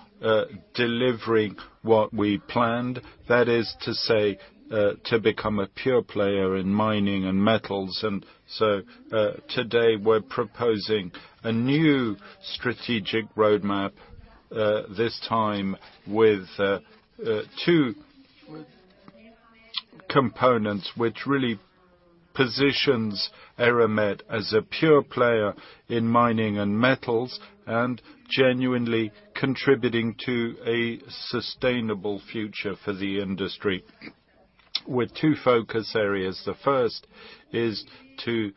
delivering what we planned. That is to say, to become a pure player in mining and metals. Today we're proposing a new strategic roadmap, this time with two components which really positions Eramet as a pure player in mining and metals and genuinely contributing to a sustainable future for the industry with two focus areas. The first is to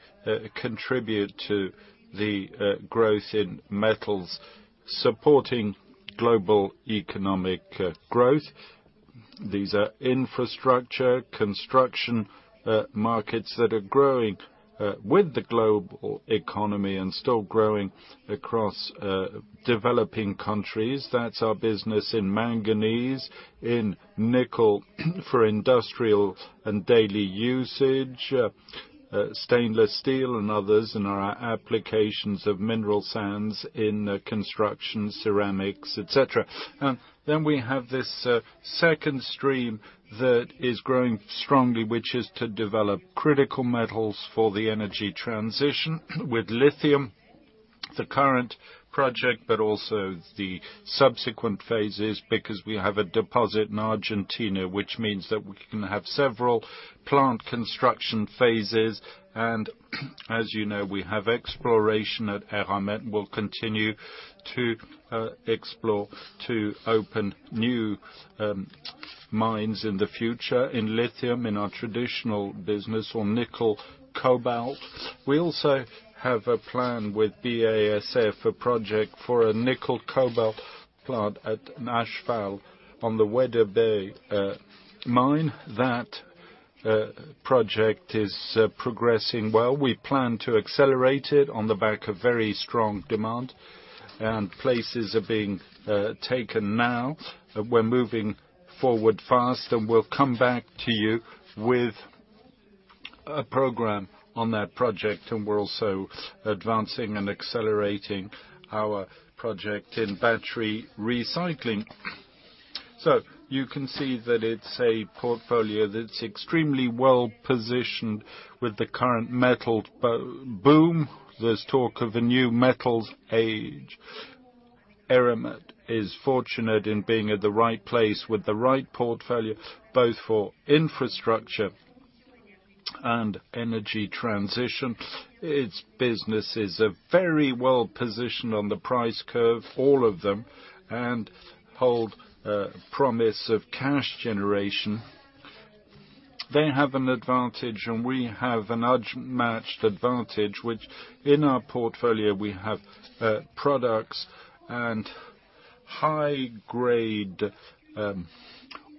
contribute to the growth in metals, supporting global economic growth. These are infrastructure construction markets that are growing with the global economy and still growing across developing countries. That's our business in manganese, in nickel for industrial and daily usage, stainless steel and others, and our applications of mineral sands in construction, ceramics, et cetera. We have this second stream that is growing strongly, which is to develop critical metals for the energy transition with lithium, the current project, but also the subsequent phases, because we have a deposit in Argentina, which means that we can have several plant construction phases. As you know, we have exploration at Eramet. We'll continue to explore to open new mines in the future in lithium, in our traditional business or nickel cobalt. We also have a plan with BASF, a project for a nickel cobalt plant at [Gneissau] on the Weda Bay mine. That project is progressing well. We plan to accelerate it on the back of very strong demand, and places are being taken now. We're moving forward fast, and we'll come back to you with a program on that project. We're also advancing and accelerating our project in battery recycling. You can see that it's a portfolio that's extremely well-positioned with the current metals boom. There's talk of a new metals age. Eramet is fortunate in being at the right place with the right portfolio, both for infrastructure and energy transition. Its businesses are very well-positioned on the price curve, all of them, and hold promise of cash generation. They have an advantage, and we have an unmatched advantage, which in our portfolio, we have products and high-grade ores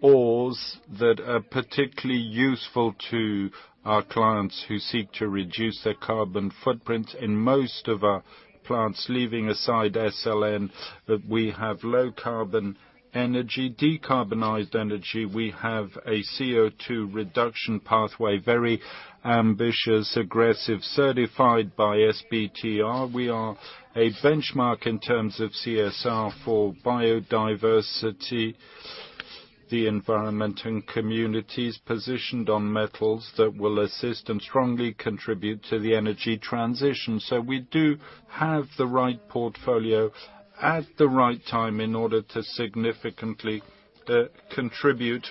that are particularly useful to our clients who seek to reduce their carbon footprint in most of our plants. Leaving aside SLN, that we have low carbon energy, decarbonized energy. We have a CO₂ reduction pathway, very ambitious, aggressive, certified by SBTi. We are a benchmark in terms of CSR for biodiversity, the environment and communities positioned on metals that will assist and strongly contribute to the energy transition. We do have the right portfolio at the right time in order to significantly contribute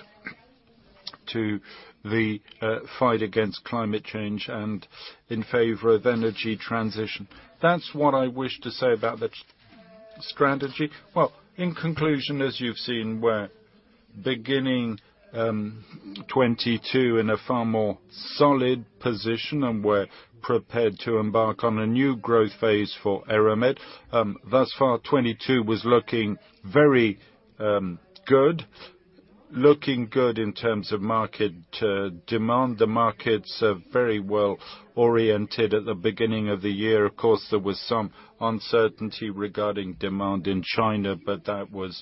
to the fight against climate change and in favor of energy transition. That's what I wish to say about the strategy. Well, in conclusion, as you've seen, we're beginning 2022 in a far more solid position, and we're prepared to embark on a new growth phase for Eramet. Thus far, 2022 was looking very good. Looking good in terms of market demand. The markets are very well-oriented at the beginning of the year. Of course, there was some uncertainty regarding demand in China, but that was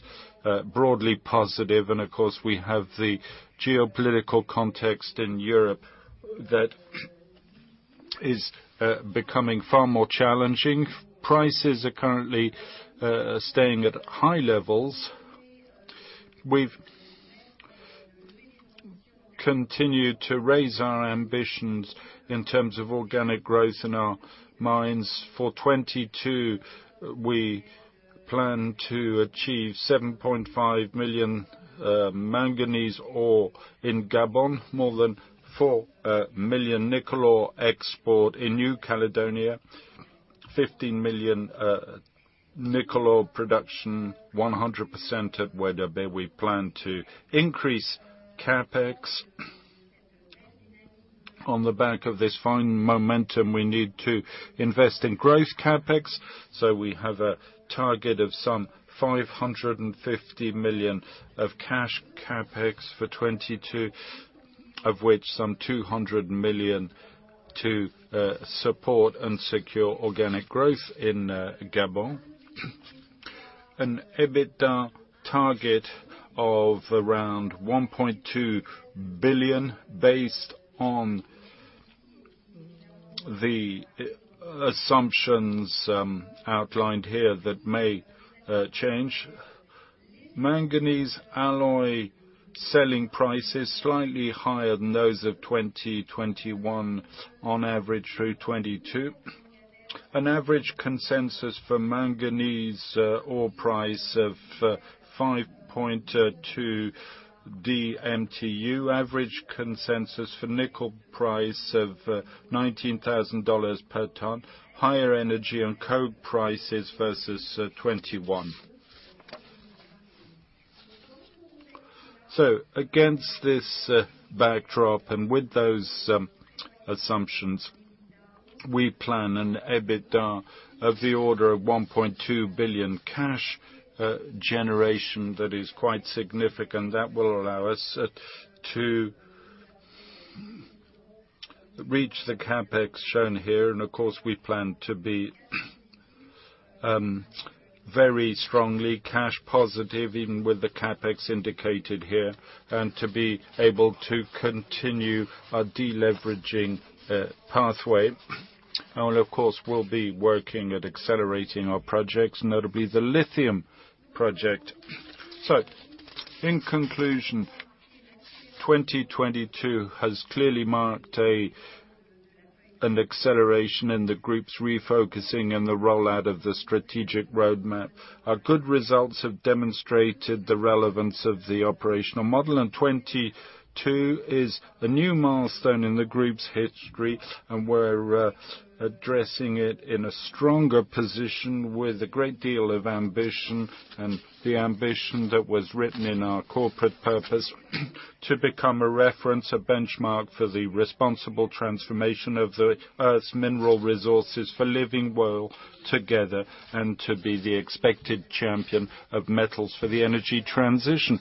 broadly positive. Of course, we have the geopolitical context in Europe that is becoming far more challenging. Prices are currently staying at high levels. We've continued to raise our ambitions in terms of organic growth in our mines. For 2022, we plan to achieve 7.5 million manganese ore in Gabon, more than 4 million nickel ore export in New Caledonia. 15 million nickel ore production 100% at Weda Bay. We plan to increase CapEx on the back of this fine momentum. We need to invest in growth CapEx, so we have a target of some 550 million of cash CapEx for 2022, of which some 200 million to support and secure organic growth in Gabon. An EBITDA target of around 1.2 billion based on the assumptions outlined here that may change. Manganese alloy selling price is slightly higher than those of 2021 on average through 2022. An average consensus for manganese ore price of 5.2 DMTU. Average consensus for nickel price of $19,000 per ton, higher energy and coke prices versus 2021. Against this backdrop and with those assumptions, we plan an EBITDA of the order of 1.2 billion cash generation that is quite significant. That will allow us to reach the CapEx shown here. Of course, we plan to be very strongly cash positive, even with the CapEx indicated here, and to be able to continue a deleveraging pathway. Of course, we'll be working at accelerating our projects, notably the lithium project. In conclusion, 2022 has clearly marked an acceleration in the group's refocusing and the rollout of the strategic roadmap. Our good results have demonstrated the relevance of the operational model, and 2022 is a new milestone in the group's history, and we're addressing it in a stronger position with a great deal of ambition. The ambition that was written in our corporate purpose to become a reference, a benchmark for the responsible transformation of the Earth's mineral resources for living well together and to be the expected champion of metals for the energy transition.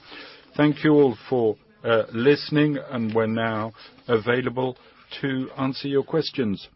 Thank you all for listening, and we're now available to answer your questions.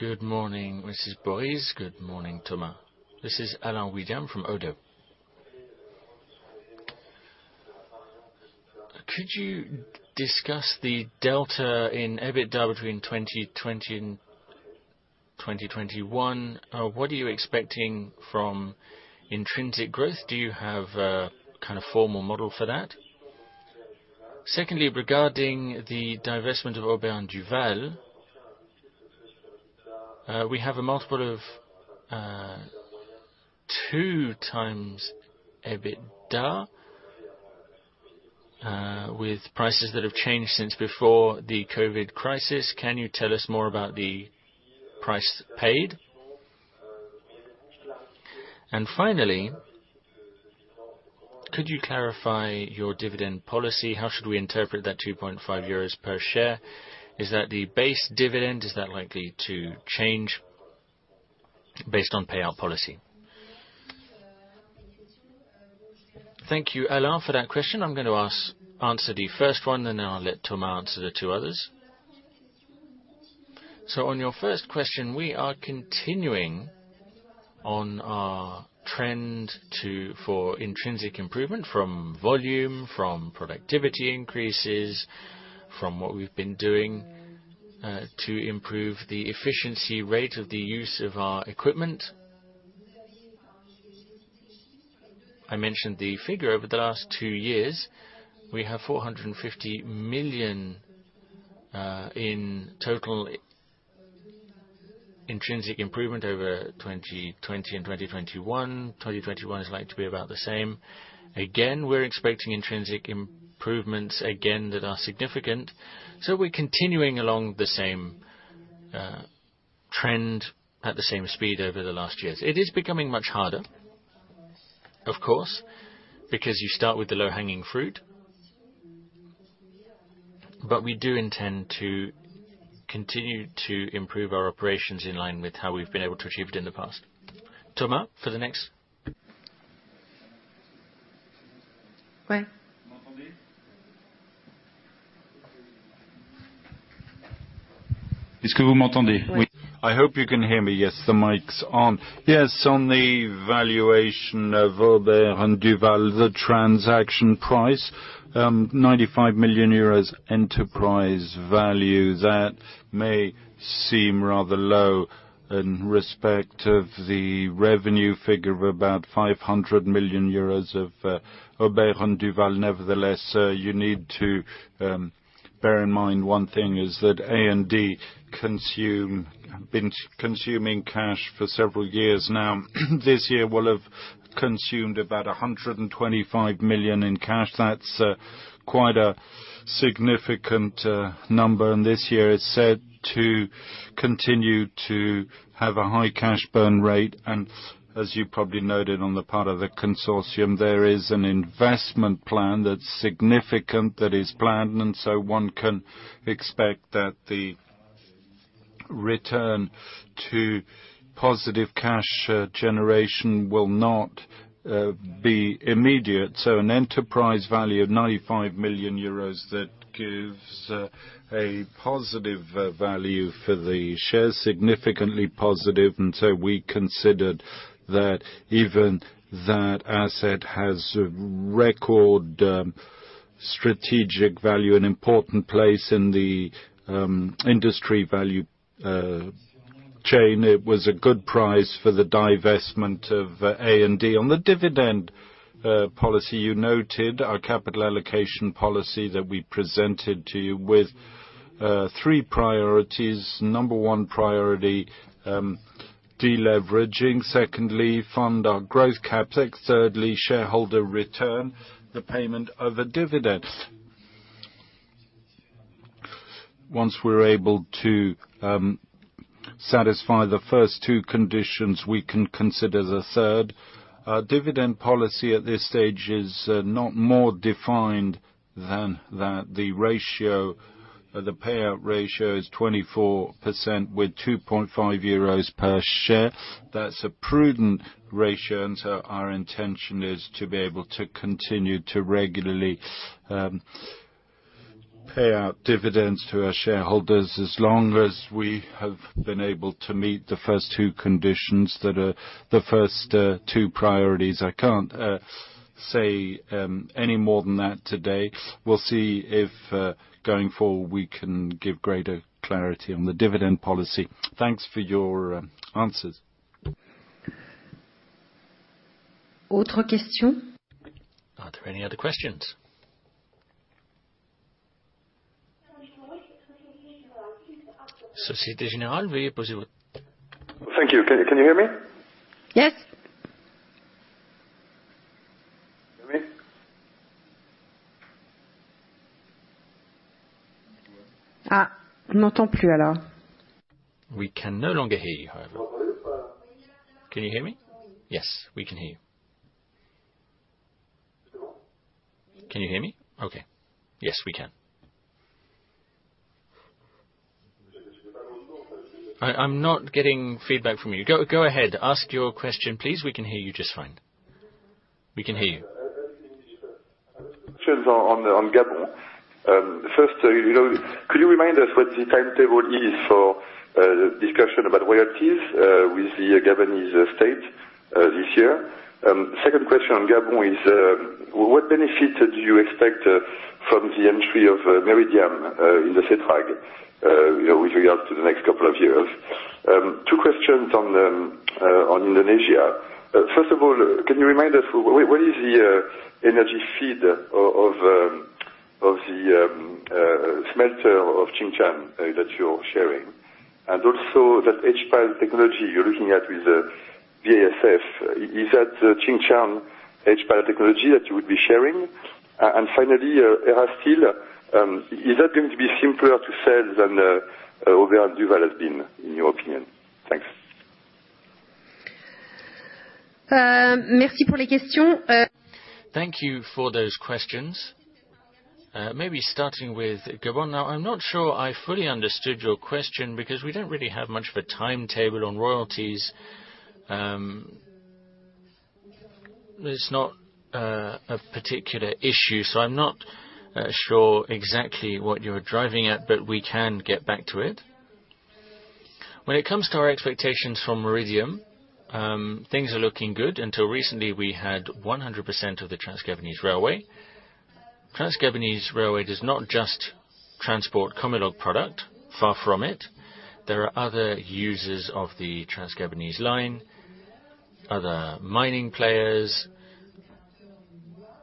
Good morning, Mrs. Bories. Good morning, Thomas. This is Alain William from ODDO. Could you discuss the delta in EBITDA between 2020 and 2021? What are you expecting from intrinsic growth? Do you have a kind of formal model for that? Secondly, regarding the divestment of Aubert & Duval, we have a multiple of 2x EBITDA, with prices that have changed since before the COVID crisis. Can you tell us more about the price paid? Finally, could you clarify your dividend policy? How should we interpret that 2.5 euros per share? Is that the base dividend? Is that likely to change based on payout policy? Thank you, Alain, for that question. I'm gonna answer the first one, and then I'll let Thomas answer the two others. On your first question, we are continuing on our trend for intrinsic improvement from volume, from productivity increases, from what we've been doing, to improve the efficiency rate of the use of our equipment. I mentioned the figure. Over the last two years, we have 450 million in total intrinsic improvement over 2020 and 2021. 2021 is likely to be about the same. Again, we're expecting intrinsic improvements again that are significant, we're continuing along the same trend at the same speed over the last years. It is becoming much harder, of course, because you start with the low-hanging fruit. We do intend to continue to improve our operations in line with how we've been able to achieve it in the past. Thomas, for the next. I hope you can hear me. Yes, the mic's on. Yes, on the valuation of Aubert & Duval, the transaction price, 95 million euros enterprise value, that may seem rather low in respect of the revenue figure of about 500 million euros of Aubert & Duval. Nevertheless, you need to bear in mind one thing is that A&D been consuming cash for several years now. This year will have consumed about 125 million in cash. That's quite a significant number, and this year is set to continue to have a high cash burn rate. As you probably noted on the part of the consortium, there is an investment plan that's significant that is planned, and so one can expect that the return to positive cash generation will not be immediate. An enterprise value of 95 million euros, that gives a positive value for the shares, significantly positive. We considered that even that asset has record strategic value, an important place in the industry value chain. It was a good price for the divestment of A&D. On the dividend policy, you noted our capital allocation policy that we presented to you with three priorities. Number one priority, de-leveraging. Secondly, fund our growth CapEx. Thirdly, shareholder return, the payment of a dividend. Once we're able to satisfy the first two conditions, we can consider the third. Our dividend policy at this stage is not more defined than that. The ratio, the payout ratio is 24% with 2.5 euros per share. That's a prudent ratio, and so our intention is to be able to continue to regularly pay out dividends to our shareholders as long as we have been able to meet the first two conditions that are the first two priorities. I can't say any more than that today. We'll see if going forward, we can give greater clarity on the dividend policy. Thanks for your answers. Are there any other questions? Société Générale. Thank you. Can you hear me? Yes. Can you hear me? We can no longer hear you. Can you hear me? Yes, we can hear you. Can you hear me? Okay. Yes, we can. I'm not getting feedback from you. Go ahead. Ask your question, please. We can hear you just fine. We can hear you. Questions on Gabon. First, could you remind us what the timetable is for the discussion about royalties with the Gabonese state this year? Second question on Gabon is what benefit do you expect from the entry of Meridiam in the SETRAG with regard to the next couple of years? Two questions on Indonesia. First of all, can you remind us what is the energy feed of the smelter of Tsingshan that you're sharing? Also that HPAL technology you're looking at with BASF, is that the Tsingshan HPAL technology that you would be sharing? Finally, Erasteel is that going to be simpler to sell than Aubert & Duval has been, in your opinion? Thanks. Thank you for those questions. Maybe starting with Gabon. Now, I'm not sure I fully understood your question because we don't really have much of a timetable on royalties. There's not a particular issue, so I'm not sure exactly what you're driving at, but we can get back to it. When it comes to our expectations from Meridiam, things are looking good. Until recently, we had 100% of the Trans-Gabon Railway. Trans-Gabon Railway does not just transport Comilog product, far from it. There are other users of the Trans-Gabonese line, other mining players,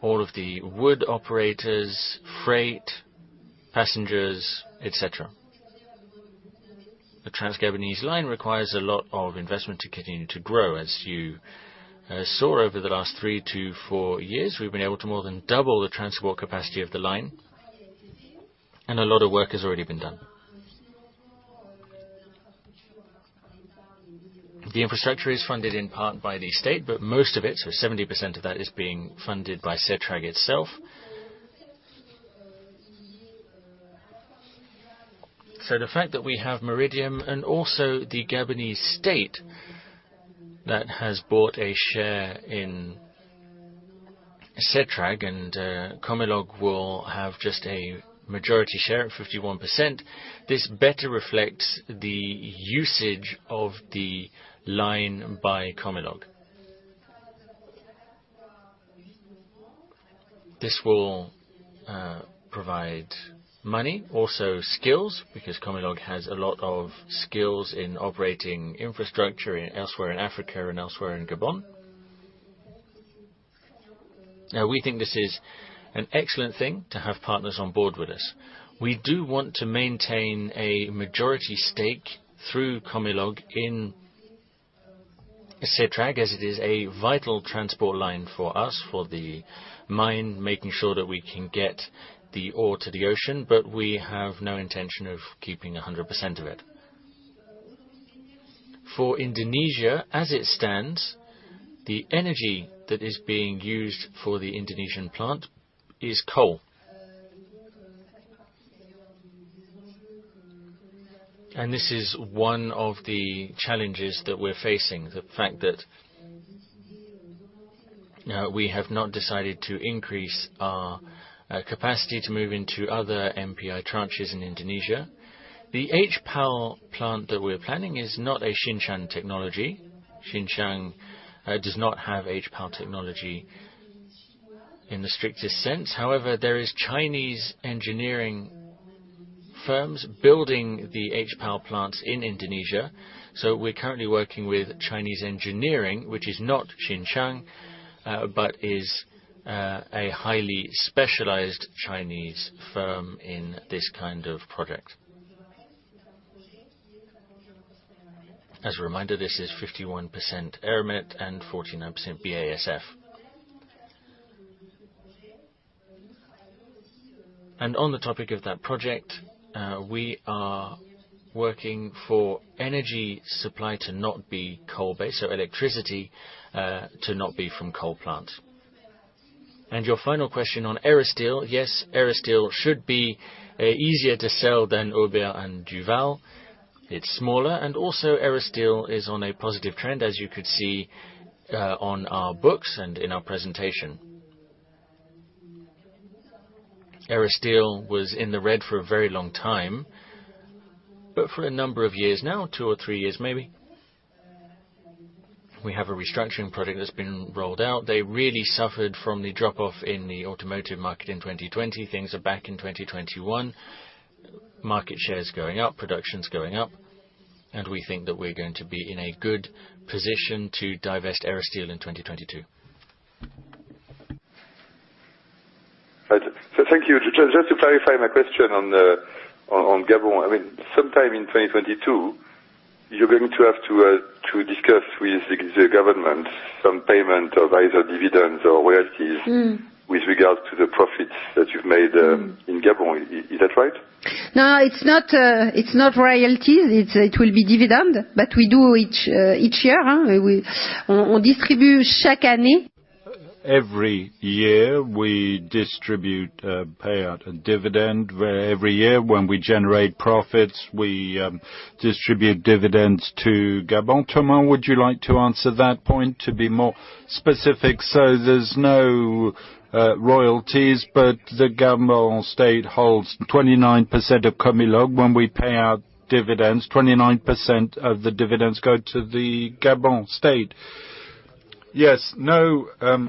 all of the wood operators, freight, passengers, et cetera. The Trans-Gabonese line requires a lot of investment to continue to grow. As you saw over the last 3-4 years, we've been able to more than double the transport capacity of the line, and a lot of work has already been done. The infrastructure is funded in part by the state, but most of it, so 70% of that is being funded by SETRAG itself. The fact that we have Meridiam and also the Gabonese state that has bought a share in SETRAG and Comilog will have just a majority share, 51%. This better reflects the usage of the line by Comilog. This will provide money, also skills, because Comilog has a lot of skills in operating infrastructure elsewhere in Africa and elsewhere in Gabon. Now, we think this is an excellent thing to have partners on board with us. We do want to maintain a majority stake through Comilog in SETRAG, as it is a vital transport line for us, for the mine, making sure that we can get the ore to the ocean, but we have no intention of keeping 100% of it. For Indonesia, as it stands, the energy that is being used for the Indonesian plant is coal. This is one of the challenges that we're facing. The fact that we have not decided to increase our capacity to move into other NPI tranches in Indonesia. The HPAL plant that we're planning is not a Tsingshan technology. Tsingshan does not have HPAL technology in the strictest sense. However, there is Chinese engineering firms building the HPAL plants in Indonesia. We're currently working with Chinese engineering, which is not Tsingshan, but is a highly specialized Chinese firm in this kind of project. As a reminder, this is 51% Eramet and 49% BASF. On the topic of that project, we are working for energy supply to not be coal-based, so electricity to not be from coal plant. Your final question on Erasteel. Yes, Erasteel should be easier to sell than Aubert & Duval. It's smaller, and also Erasteel is on a positive trend, as you could see on our books and in our presentation. Erasteel was in the red for a very long time, but for a number of years now, 2 or 3 years, maybe, we have a restructuring product that's been rolled out. They really suffered from the drop-off in the automotive market in 2020. Things are back in 2021. Market share is going up, production is going up, and we think that we're going to be in a good position to divest Erasteel in 2022. Thank you. Just to clarify my question on Gabon. I mean, sometime in 2022, you're going to have to discuss with the government some payment of either dividends or royalties. Mm. With regards to the profits that you've made in Gabon. Is that right? No, it's not royalties. It's dividend, but every year we distribute a payout, a dividend, where every year when we generate profits, we distribute dividends to Gabon. Thomas, would you like to answer that point to be more specific? There's no royalties, but the Gabon state holds 29% of Comilog. When we pay out dividends, 29% of the dividends go to the Gabon state. Yes. No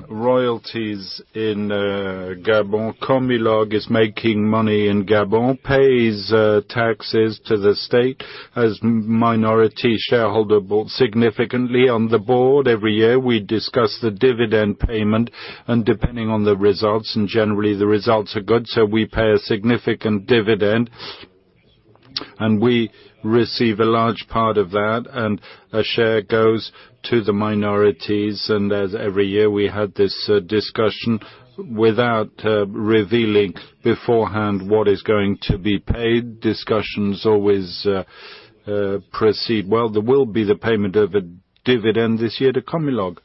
royalties in Gabon. Comilog is making money and Gabon pays taxes to the state as minority shareholder board. Significantly, on the board, every year, we discuss the dividend payment, and depending on the results, and generally the results are good, so we pay a significant dividend, and we receive a large part of that, and a share goes to the minorities. As every year, we have this discussion without revealing beforehand what is going to be paid. Discussions always proceed well. There will be the payment of a dividend this year to Comilog.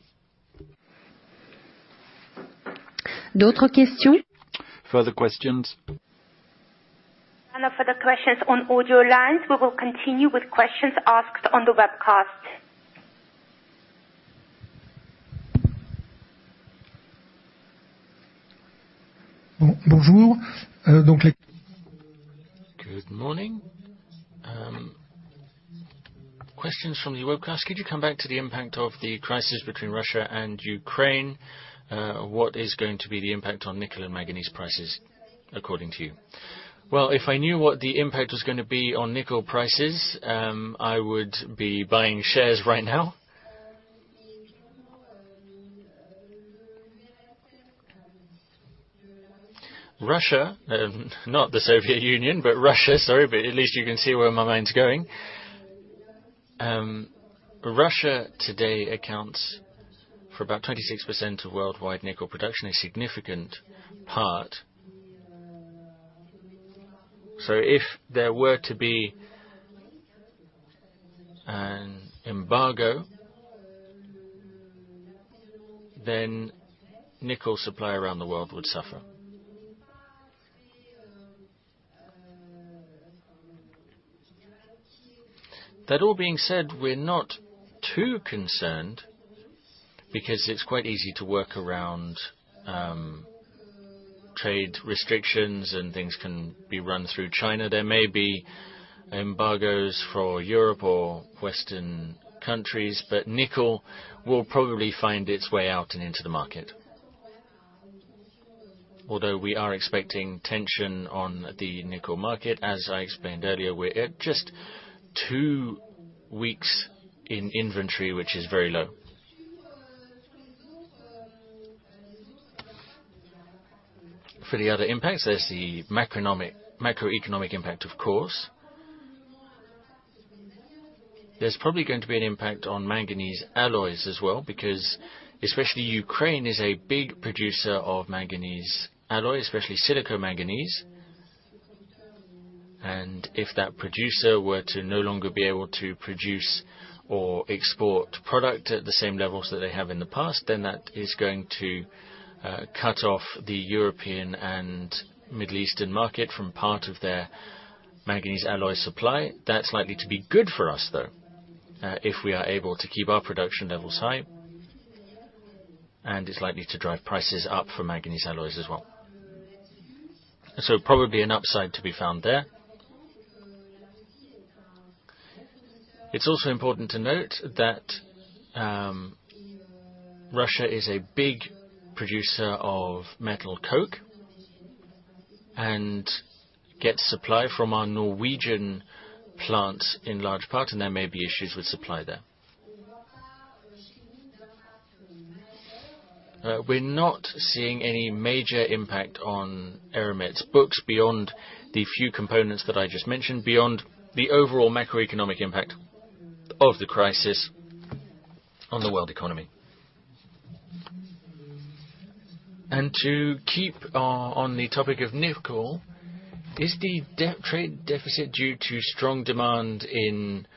Further questions? No further questions on audio lines. We will continue with questions asked on the webcast. Good morning. Questions from the webcast. Could you come back to the impact of the crisis between Russia and Ukraine? What is going to be the impact on nickel and manganese prices, according to you? Well, if I knew what the impact was gonna be on nickel prices, I would be buying shares right now. Russia, not the Soviet Union, but Russia, sorry, but at least you can see where my mind's going. Russia today accounts for about 26% of worldwide nickel production, a significant part. If there were to be an embargo, then nickel supply around the world would suffer. That all being said, we're not too concerned because it's quite easy to work around, trade restrictions and things can be run through China. There may be embargoes for Europe or Western countries, but nickel will probably find its way out and into the market. Although we are expecting tension on the nickel market, as I explained earlier, we're at just two weeks in inventory, which is very low. For the other impacts, there's the macroeconomic impact, of course. There's probably going to be an impact on manganese alloys as well, because especially Ukraine is a big producer of manganese alloy, especially silicomanganese, and if that producer were to no longer be able to produce or export product at the same levels that they have in the past, then that is going to cut off the European and Middle Eastern market from part of their manganese alloy supply. That's likely to be good for us, though, if we are able to keep our production levels high, and is likely to drive prices up for manganese alloys as well. Probably an upside to be found there. It's also important to note that, Russia is a big producer of met coke and gets supply from our Norwegian plants in large part, and there may be issues with supply there. We're not seeing any major impact on Eramet's books beyond the few components that I just mentioned, beyond the overall macroeconomic impact of the crisis on the world economy. To keep on the topic of nickel, is the trade deficit due to strong demand in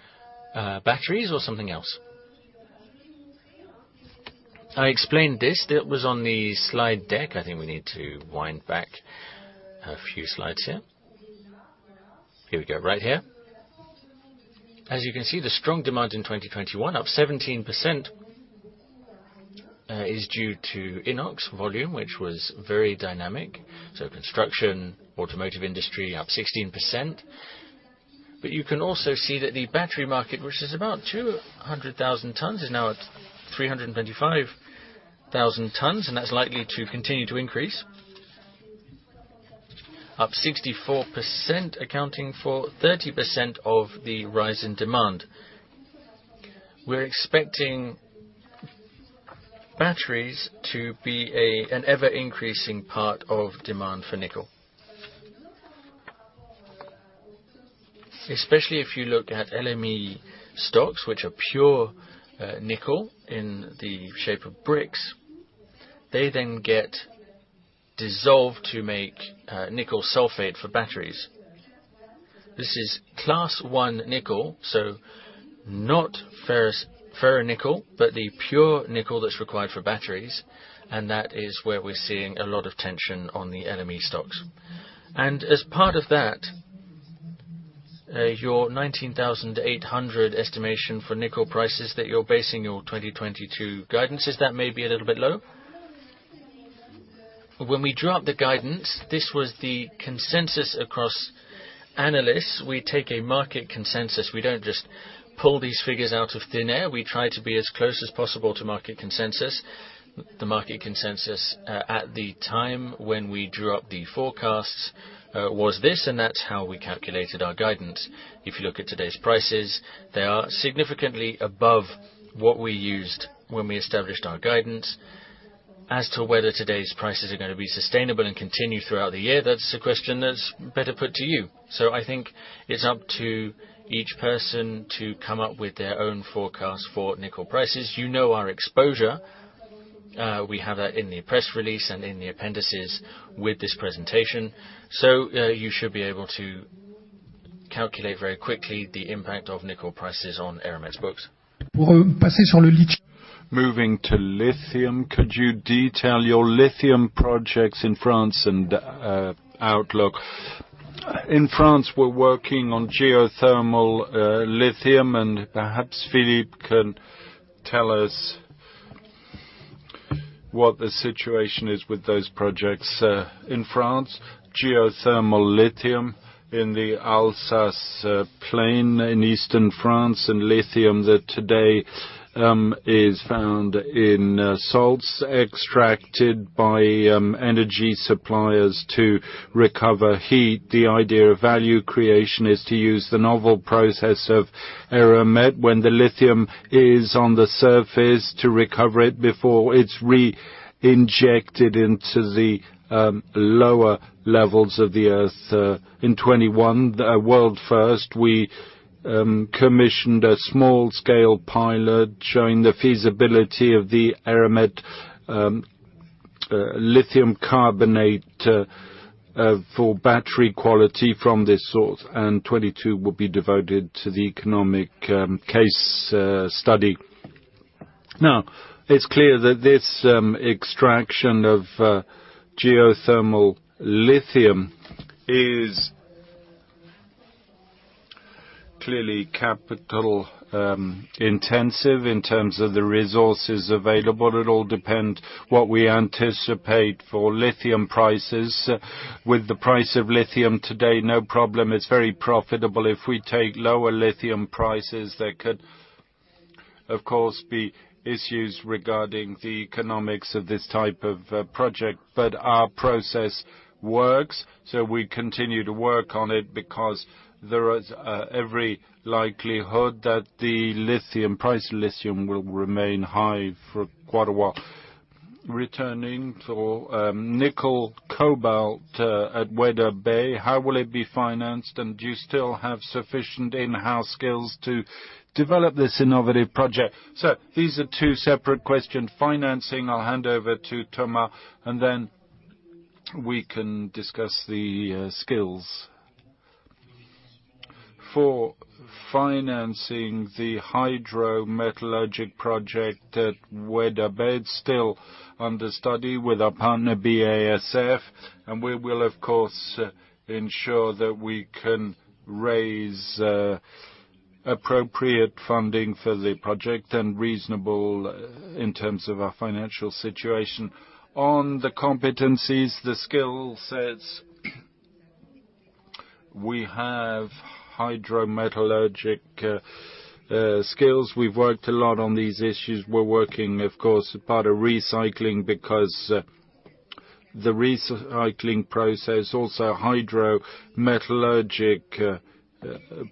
batteries or something else? I explained this. That was on the slide deck. I think we need to wind back a few slides here. Here we go, right here. As you can see, the strong demand in 2021, up 17%, is due to Inox volume, which was very dynamic, so construction, automotive industry up 16%. You can also see that the battery market, which is about 200,000 tons, is now at 325,000 tons, and that's likely to continue to increase. Up 64%, accounting for 30% of the rise in demand. We're expecting batteries to be an ever-increasing part of demand for nickel. Especially if you look at LME stocks, which are pure nickel in the shape of bricks. They then get dissolved to make nickel sulfate for batteries. This is Class 1 nickel, so not ferrous, ferronickel, but the pure nickel that's required for batteries, and that is where we're seeing a lot of tension on the LME stocks. As part of that, your 19,800 estimation for nickel prices that you're basing your 2022 guidance, is that maybe a little bit low? When we drew up the guidance, this was the consensus across analysts. We take a market consensus. We don't just pull these figures out of thin air. We try to be as close as possible to market consensus. The market consensus at the time when we drew up the forecasts was this, and that's how we calculated our guidance. If you look at today's prices, they are significantly above what we used when we established our guidance. As to whether today's prices are gonna be sustainable and continue throughout the year, that's a question that's better put to you. I think it's up to each person to come up with their own forecast for nickel prices. You know our exposure. We have that in the press release and in the appendices with this presentation. You should be able to calculate very quickly the impact of nickel prices on Eramet's books. Moving to lithium, could you detail your lithium projects in France and outlook? In France, we're working on geothermal lithium, and perhaps Philippe can tell us what the situation is with those projects. In France, geothermal lithium in the Alsace plain in eastern France and lithium that today is found in salts extracted by energy suppliers to recover heat. The idea of value creation is to use the novel process of Eramet when the lithium is on the surface to recover it before it's reinjected into the lower levels of the earth. In 2021, the world first, we commissioned a small scale pilot showing the feasibility of the Eramet lithium carbonate for battery quality from this source, and 2022 will be devoted to the economic case study. Now, it's clear that this extraction of geothermal lithium is clearly capital intensive in terms of the resources available. It'll depend what we anticipate for lithium prices. With the price of lithium today, no problem, it's very profitable. If we take lower lithium prices, there could, of course, be issues regarding the economics of this type of project. Our process works, so we continue to work on it because there is every likelihood that the price of lithium will remain high for quite a while. Returning to nickel cobalt at Weda Bay, how will it be financed, and do you still have sufficient in-house skills to develop this innovative project? These are two separate questions. Financing, I'll hand over to Thomas, and then we can discuss the skills. For financing the hydrometallurgy project at Weda Bay, it's still under study with our partner BASF, and we will of course ensure that we can raise appropriate funding for the project and reasonable in terms of our financial situation. On the competencies, the skill sets, we have hydrometallurgy skills. We've worked a lot on these issues. We're working, of course, part of recycling because the recycling process, also hydrometallurgy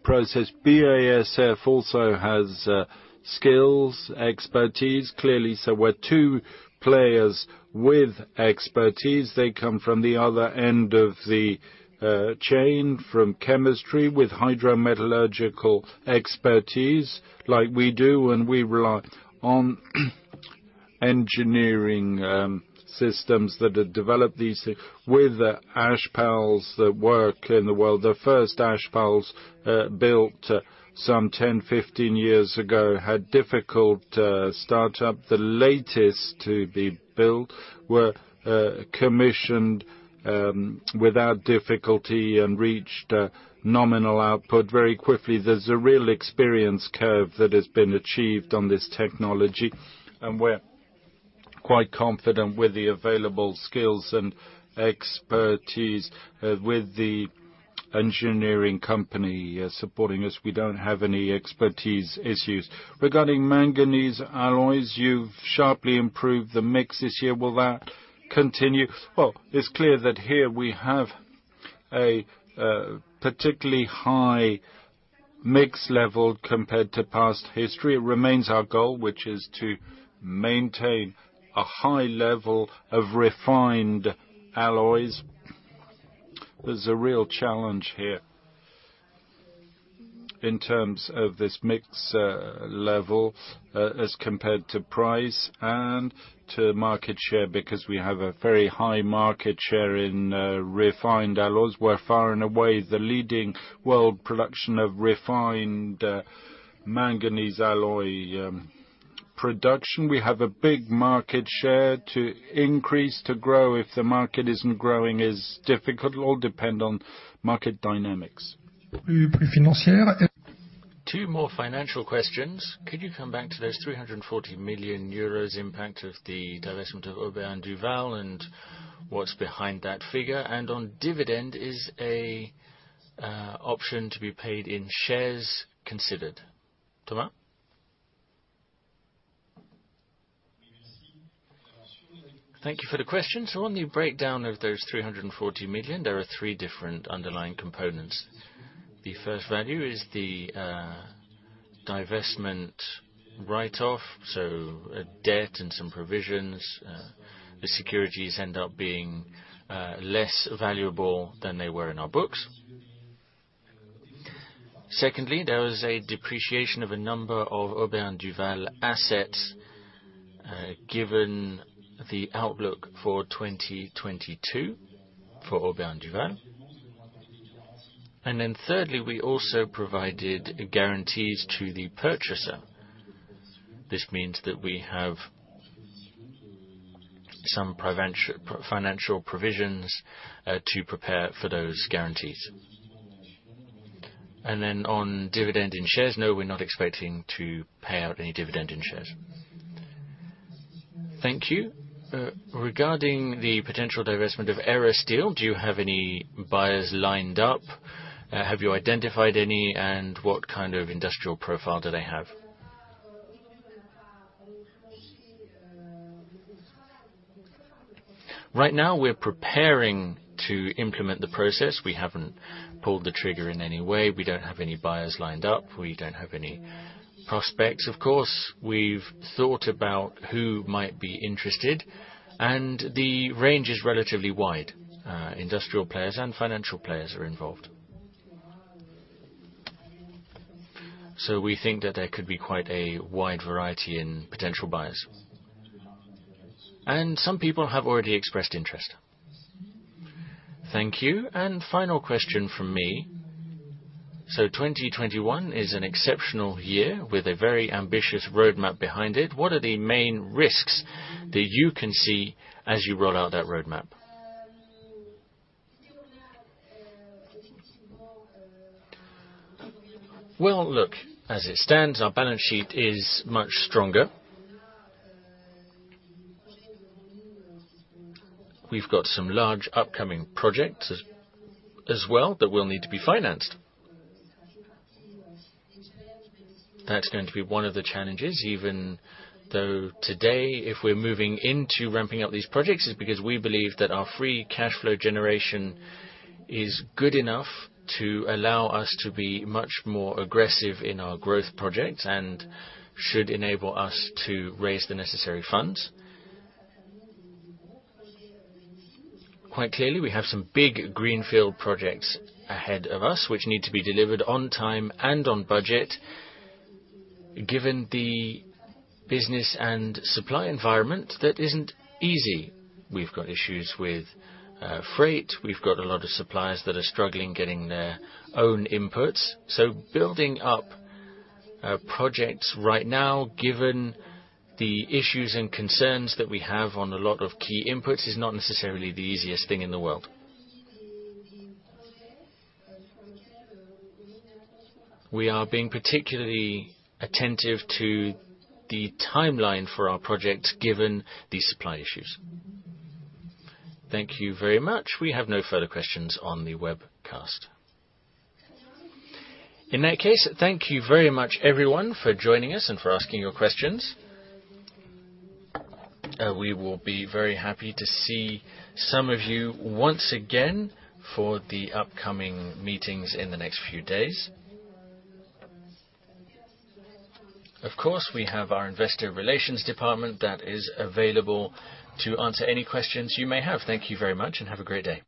process. BASF also has skills, expertise, clearly, so we're two players with expertise. They come from the other end of the chain from chemistry with hydrometallurgical expertise like we do, and we rely on engineering systems that have developed these with the HPALs that work in the world. The first HPALs built some 10, 15 years ago, had difficult startup. The latest to be built were commissioned without difficulty and reached nominal output very quickly. There's a real experience curve that has been achieved on this technology, and we're quite confident with the available skills and expertise with the engineering company supporting us. We don't have any expertise issues. Regarding manganese alloys, you've sharply improved the mix this year. Will that continue? Well, it's clear that here we have a particularly high mix level compared to past history. It remains our goal, which is to maintain a high level of refined alloys. There's a real challenge here in terms of this mix level as compared to price and to market share, because we have a very high market share in refined alloys. We're far and away the leading world producer of refined manganese alloy production. We have a big market share to increase, to grow. If the market isn't growing, it's difficult. It'll all depend on market dynamics. Two more financial questions. Could you come back to those 340 million euros impact of the divestment of Aubert & Duval and what's behind that figure? And on dividend, is a option to be paid in shares considered? Thomas? Thank you for the question. On the breakdown of those 340 million, there are three different underlying components. The first value is the divestment write-off, so debt and some provisions. The securities end up being less valuable than they were in our books. Secondly, there was a depreciation of a number of Aubert & Duval assets, given the outlook for 2022 for Aubert & Duval. Then thirdly, we also provided guarantees to the purchaser. This means that we have some financial provisions to prepare for those guarantees. Then on dividend in shares, no, we're not expecting to pay out any dividend in shares. Thank you. Regarding the potential divestment of Erasteel, do you have any buyers lined up? Have you identified any, and what kind of industrial profile do they have? Right now, we're preparing to implement the process. We haven't pulled the trigger in any way. We don't have any buyers lined up. We don't have any prospects. Of course, we've thought about who might be interested, and the range is relatively wide. Industrial players and financial players are involved. We think that there could be quite a wide variety in potential buyers. Some people have already expressed interest. Thank you. Final question from me. 2021 is an exceptional year with a very ambitious roadmap behind it. What are the main risks that you can see as you roll out that roadmap? Well, look, as it stands, our balance sheet is much stronger. We've got some large upcoming projects as well that will need to be financed. That's going to be one of the challenges, even though today, if we're moving into ramping up these projects, is because we believe that our free cash flow generation is good enough to allow us to be much more aggressive in our growth projects and should enable us to raise the necessary funds. Quite clearly, we have some big greenfield projects ahead of us, which need to be delivered on time and on budget. Given the business and supply environment, that isn't easy. We've got issues with freight. We've got a lot of suppliers that are struggling getting their own inputs. Building up projects right now, given the issues and concerns that we have on a lot of key inputs, is not necessarily the easiest thing in the world. We are being particularly attentive to the timeline for our projects given these supply issues. Thank you very much. We have no further questions on the webcast. In that case, thank you very much, everyone, for joining us and for asking your questions. We will be very happy to see some of you once again for the upcoming meetings in the next few days. Of course, we have our investor relations department that is available to answer any questions you may have. Thank you very much and have a great day.